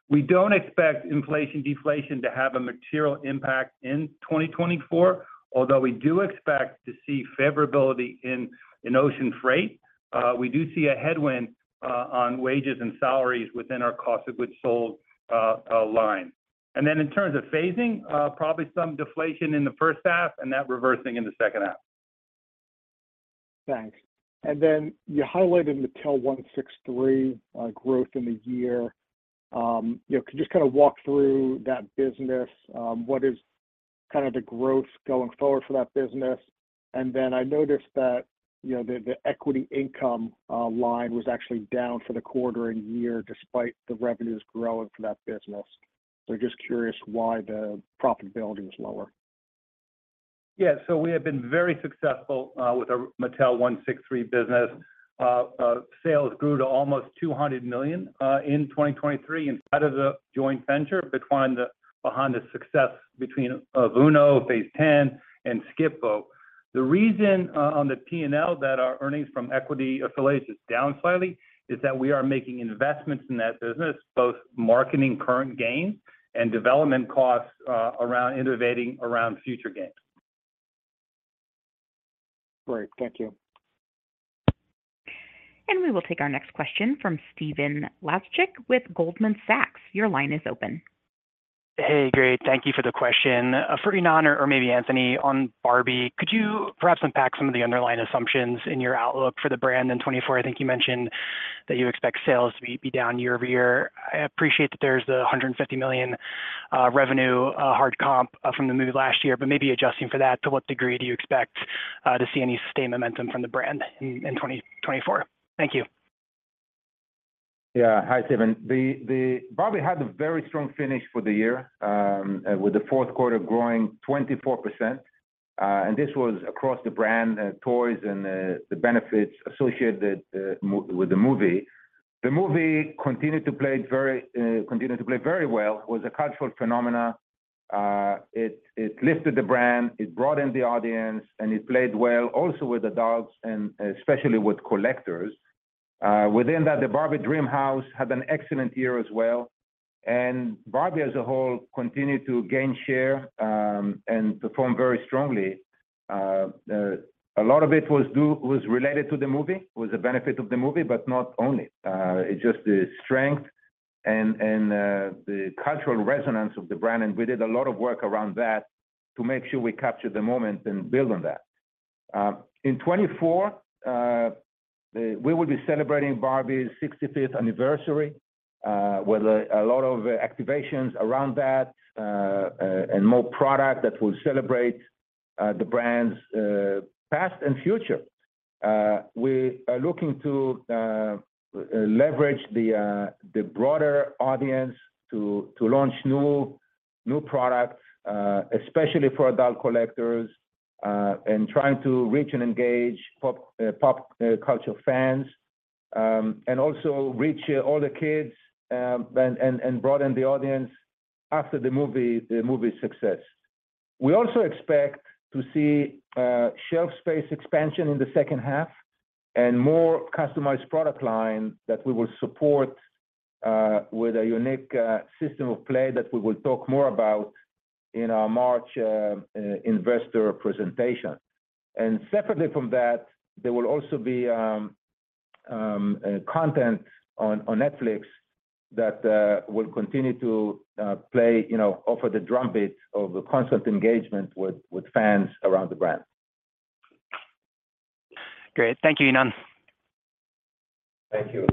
We don't expect inflation, deflation to have a material impact in 2024, although we do expect to see favorability in ocean freight. We do see a headwind on wages and salaries within our cost of goods sold line. Then in terms of phasing, probably some deflation in the first half and that reversing in the second half. Thanks. Then you highlighted Mattel163 growth in the year. You know, can you just kind of walk through that business? What is kind of the growth going forward for that business? And then I noticed that, you know, the equity income line was actually down for the quarter and year, despite the revenues growing for that business. So just curious why the profitability was lower. So we have been very successful with our Mattel163 business. Sales grew to almost $200 million in 2023 inside of the joint venture behind the success between UNO, Phase 10, and Skip-Bo. The reason on the PNL that our earnings from equity affiliates is down slightly is that we are making investments in that business, both marketing current games and development costs around innovating around future games. Great. Thank you. We will take our next question from Stephen Laszczyk with Goldman Sachs. Your line is open. Hey, great. Thank you for the question. For Ynon or maybe Anthony, on Barbie, could you perhaps unpack some of the underlying assumptions in your outlook for the brand in 2024? I think you mentioned that you expect sales to be, be down year-over-year. I appreciate that there's the $150 million revenue hard comp from the movie last year, but maybe adjusting for that, to what degree do you expect to see any sustained momentum from the brand in 2024? Thank you. Yeah. Hi, Stephen. The Barbie had a very strong finish for the year with the fourth quarter growing 24%. And this was across the brand, toys and the benefits associated with the movie. The movie continued to play very well. It was a cultural phenomenon. It lifted the brand, it broadened the audience, and it played well also with adults and especially with collectors. Within that, the Barbie Dreamhouse had an excellent year as well. And Barbie, as a whole, continued to gain share and perform very strongly. A lot of it was related to the movie, was the benefit of the movie, but not only. It's just the strength and the cultural resonance of the brand, and we did a lot of work around that to make sure we capture the moment and build on that. In 2024, we will be celebrating Barbie's 65th anniversary, with a lot of activations around that, and more product that will celebrate the brand's past and future. We are looking to leverage the broader audience to launch new products, especially for adult collectors, and trying to reach and engage pop culture fans. And also reach all the kids, and broaden the audience after the movie, the movie's success. We also expect to see shelf space expansion in the second half and more customized product line that we will support with a unique system of play that we will talk more about in our March investor presentation. And separately from that, there will also be content on Netflix that will continue to play, you know, offer the drumbeat of the constant engagement with fans around the brand. Great. Thank you, Ynon. Thank you.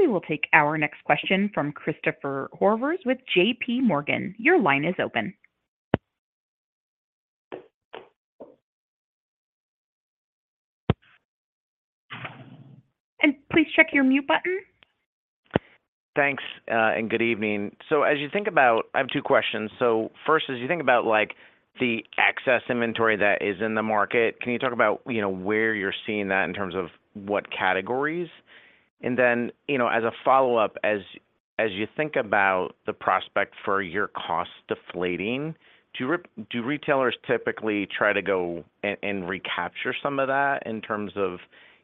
We will take our next question from Christopher Horvers with JPMorgan. Your line is open. Please check your mute button. Thanks, and good evening. So as you think about—I have two questions. So first, as you think about, like, the excess inventory that is in the market, can you talk about, you know, where you're seeing that in terms of what categories? And then, you know, as a follow-up, as you think about the prospect for your cost deflating, do retailers typically try to go and recapture some of that in terms of,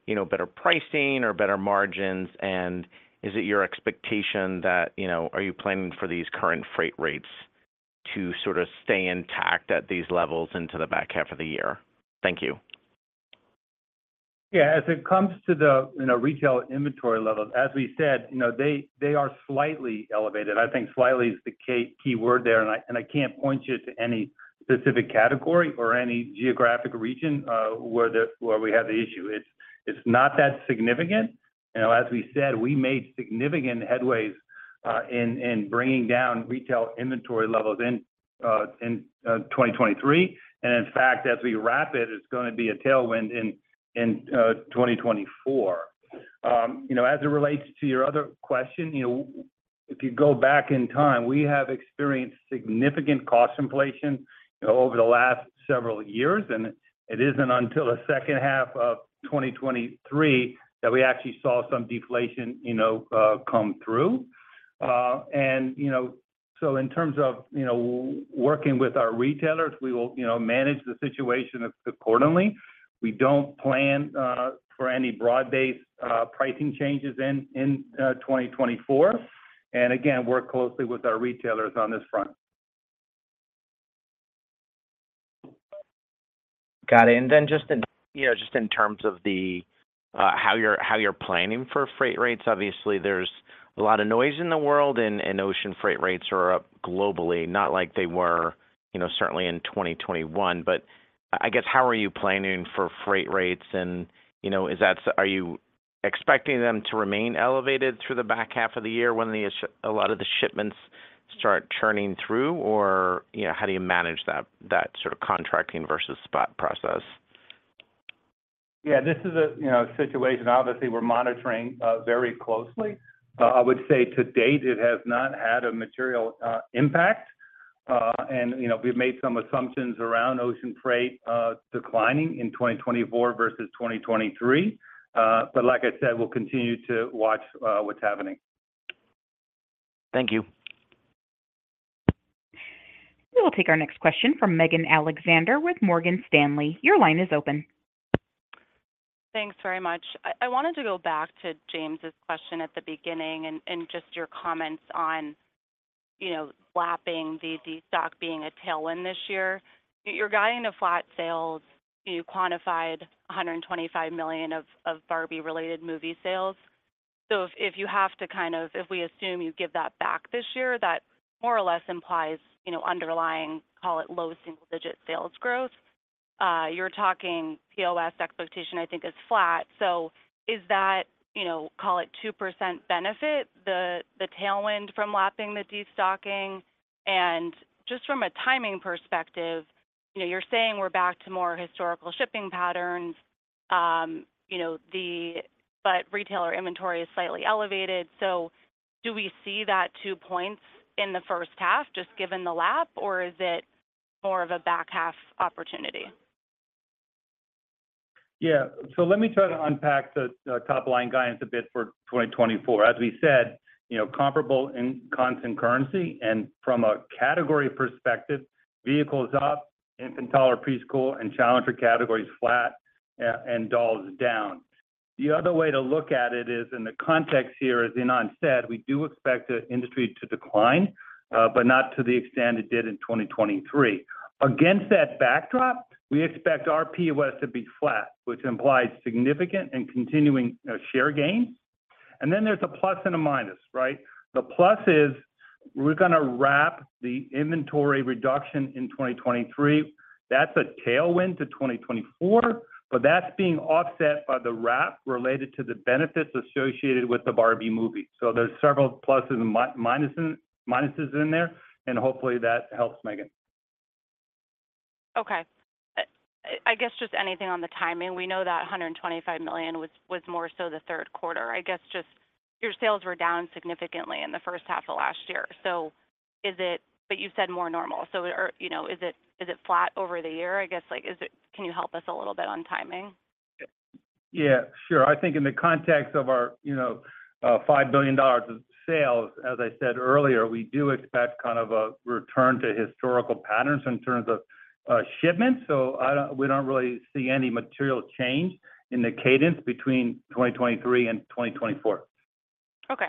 you know, better pricing or better margins? And is it your expectation that, you know, are you planning for these current freight rates to sort of stay intact at these levels into the back half of the year? Thank you. Yeah, as it comes to the, you know, retail inventory levels, as we said, you know, they, they are slightly elevated. I think slightly is the key word there, and I, and I can't point you to any specific category or any geographic region, where we have the issue. It's, it's not that significant. You know, as we said, we made significant headways, in bringing down retail inventory levels in 2023. And in fact, as we wrap it, it's gonna be a tailwind in 2024. You know, as it relates to your other question, you know, if you go back in time, we have experienced significant cost inflation, you know, over the last several years, and it isn't until the second half of 2023 that we actually saw some deflation, you know, come through. You know, in terms of working with our retailers, we will, you know, manage the situation accordingly. We don't plan for any broad-based pricing changes in 2024, and again, work closely with our retailers on this front. Got it. And then just in, you know, just in terms of the, how you're, how you're planning for freight rates, obviously there's a lot of noise in the world, and, and ocean freight rates are up globally, not like they were, you know, certainly in 2021. But I, I guess, how are you planning for freight rates? And, you know, is that-- Are you expecting them to remain elevated through the back half of the year when a lot of the shipments start churning through, or, you know, how do you manage that, that sort of contracting versus spot process? Yeah, this is a, you know, situation obviously we're monitoring very closely. I would say to date, it has not had a material impact. And, you know, we've made some assumptions around ocean freight declining in 2024 versus 2023. But like I said, we'll continue to watch what's happening. Thank you. We will take our next question from Megan Alexander with Morgan Stanley. Your line is open. Thanks very much. I, I wanted to go back to James' question at the beginning and, and just your comments on, you know, lapping the destock being a tailwind this year. You're guiding flat sales. You quantified $125 million of Barbie-related movie sales. So if, if you have to kind of, if we assume you give that back this year, that more or less implies, you know, underlying, call it, low single-digit sales growth. You're talking POS expectation, I think, is flat. So is that, you know, call it 2% benefit, the tailwind from lapping the destocking? And just from a timing perspective, you know, you're saying we're back to more historical shipping patterns, you know, the, but retailer inventory is slightly elevated. So do we see that two points in the first half, just given the lap, or is it more of a back half opportunity? Yeah. So let me try to unpack the top-line guidance a bit for 2024. As we said, you know, comparable in constant currency and from a category perspective, Vehicles up, Infant Toddler Preschool and Challenger categories flat, and Dolls down. The other way to look at it is, in the context here, as Ynon said, we do expect the industry to decline, but not to the extent it did in 2023. Against that backdrop, we expect our POS to be flat, which implies significant and continuing share gains. And then there's a plus and a minus, right? The plus is we're gonna wrap the inventory reduction in 2023. That's a tailwind to 2024, but that's being offset by the wrap related to the benefits associated with the Barbie movie. So there's several pluses and minuses in there, and hopefully that helps, Megan. Okay. I guess just anything on the timing. We know that $125 million was more so the third quarter. I guess just your sales were down significantly in the first half of last year. So is it? But you said more normal. So are? You know, is it, is it flat over the year? I guess, like, is it? Can you help us a little bit on timing? Yeah, sure. I think in the context of our, you know, $5 billion of sales, as I said earlier, we do expect kind of a return to historical patterns in terms of shipments. So we don't really see any material change in the cadence between 2023 and 2024. Okay.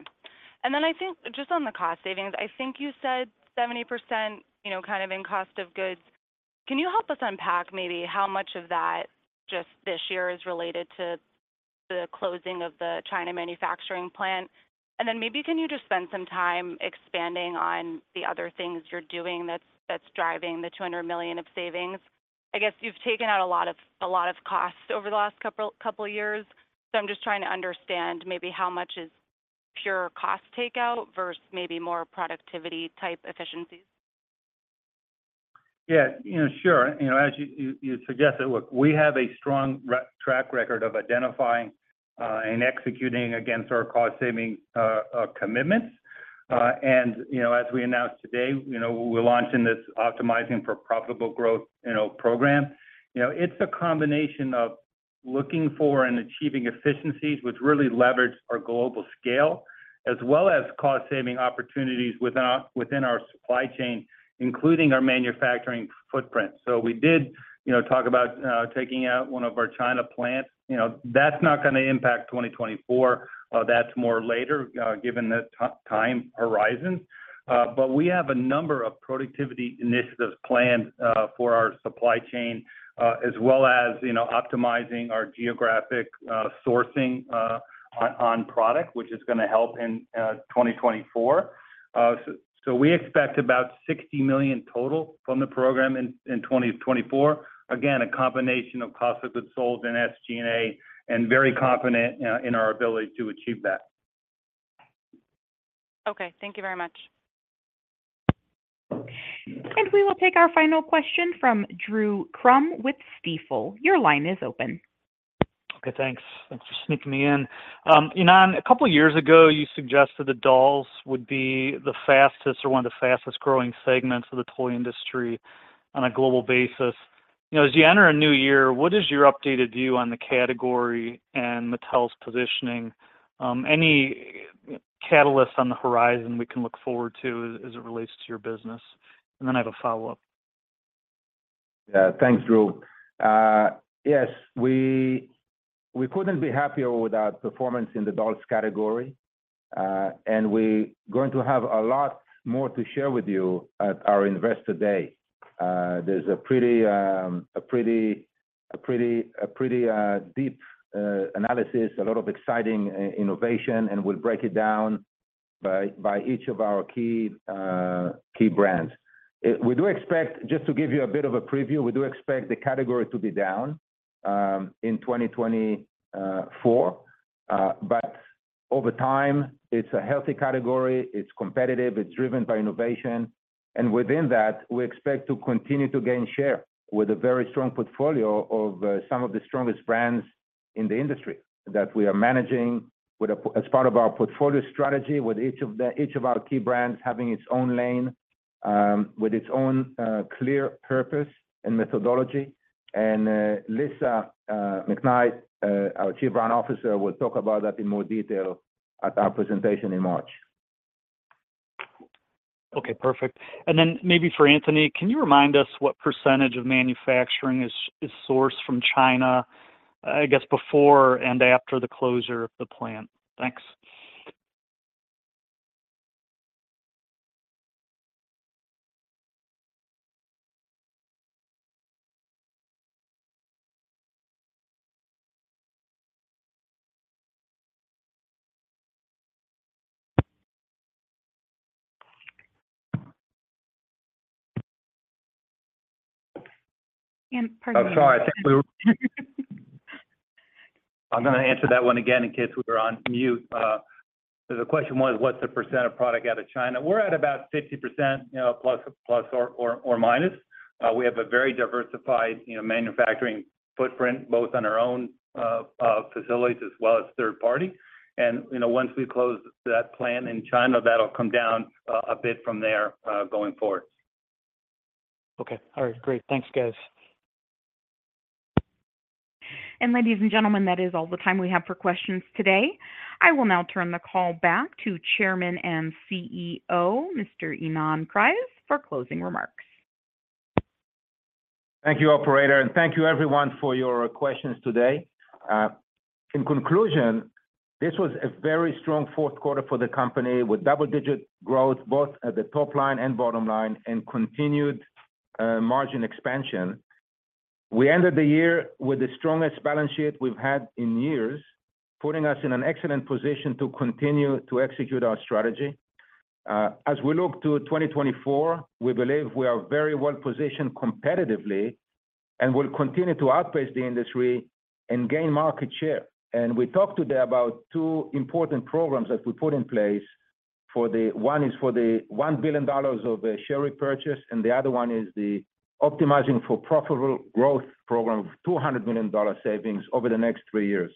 And then I think just on the cost savings, I think you said 70%, you know, kind of in cost of goods. Can you help us unpack maybe how much of that just this year is related to the closing of the China manufacturing plant? And then maybe, can you just spend some time expanding on the other things you're doing that's, that's driving the $200 million of savings? I guess you've taken out a lot of, a lot of costs over the last couple, couple years, so I'm just trying to understand maybe how much is pure cost takeout versus maybe more productivity-type efficiencies. Yeah, you know, sure. You know, as you suggested, look, we have a strong track record of identifying and executing against our cost-saving commitments. And, you know, as we announced today, you know, we're launching this Optimizing for Profitable Growth program. You know, it's a combination of looking for and achieving efficiencies, which really leverage our global scale, as well as cost-saving opportunities within our supply chain, including our manufacturing footprint. So we did, you know, talk about taking out one of our China plants. You know, that's not gonna impact 2024, that's more later, given the time horizon. But we have a number of productivity initiatives planned for our supply chain, as well as, you know, optimizing our geographic sourcing on, on product, which is gonna help in 2024. So, so we expect about $60 million total from the program in 2024. Again, a combination of cost of goods sold and SG&A, and very confident in our ability to achieve that. Okay, thank you very much. We will take our final question from Drew Crum with Stifel. Your line is open. Okay, thanks. Thanks for sneaking me in. Ynon, a couple of years ago, you suggested the Dolls would be the fastest or one of the fastest growing segments of the toy industry on a global basis. You know, as you enter a new year, what is your updated view on the category and Mattel's positioning? Any catalysts on the horizon we can look forward to as it relates to your business? And then I have a follow-up. Yeah. Thanks, Drew. Yes, we, we couldn't be happier with our performance in the Dolls category, and we're going to have a lot more to share with you at our Investor Day. There's a pretty deep analysis, a lot of exciting innovation, and we'll break it down by each of our key brands. We do expect, just to give you a bit of a preview, we do expect the category to be down in 2024. But over time, it's a healthy category, it's competitive, it's driven by innovation, and within that, we expect to continue to gain share with a very strong portfolio of some of the strongest brands in the industry that we are managing as part of our portfolio strategy, with each of the, each of our key brands having its own lane, with its own clear purpose and methodology. And Lisa McKnight, our Chief Brand Officer, will talk about that in more detail at our presentation in March. Okay, perfect. And then maybe for Anthony, can you remind us what percentage of manufacturing is sourced from China, I guess, before and after the closure of the plant? Thanks. Pardon me. Oh, sorry. I think we were on mute. I'm gonna answer that one again in case we were on mute. So the question was, what's the percent of product out of China? We're at about 50% ±. We have a very diversified, you know, manufacturing footprint, both on our own facilities as well as third party. And, you know, once we close that plant in China, that'll come down a bit from there, going forward. Okay. All right. Great. Thanks, guys. Ladies and gentlemen, that is all the time we have for questions today. I will now turn the call back to Chairman and CEO, Mr. Ynon Kreiz, for closing remarks. Thank you, operator, and thank you everyone for your questions today. In conclusion, this was a very strong fourth quarter for the company, with double-digit growth, both at the top line and bottom line, and continued margin expansion. We ended the year with the strongest balance sheet we've had in years, putting us in an excellent position to continue to execute our strategy. As we look to 2024, we believe we are very well positioned competitively and will continue to outpace the industry and gain market share. And we talked today about two important programs that we put in place for the... One is for the $1 billion of share repurchase, and the other one is the Optimizing for Profitable Growth program, $200 million savings over the next three years.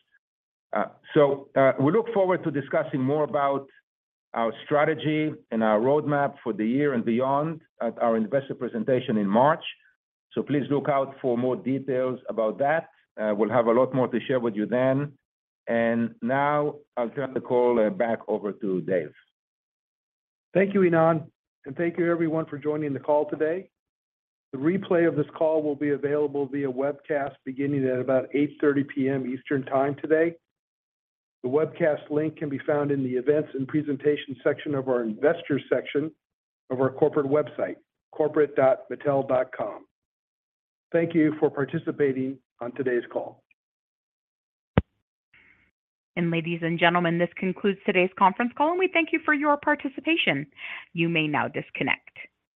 So, we look forward to discussing more about our strategy and our roadmap for the year and beyond at our investor presentation in March. Please look out for more details about that. We'll have a lot more to share with you then. Now I'll turn the call back over to Dave. Thank you, Ynon, and thank you everyone for joining the call today. The replay of this call will be available via webcast beginning at about 8:30 P.M. Eastern Time today. The webcast link can be found in the Events and Presentation section of our Investors section of our corporate website, corporate.mattel.com. Thank you for participating on today's call. Ladies and gentlemen, this concludes today's conference call, and we thank you for your participation. You may now disconnect.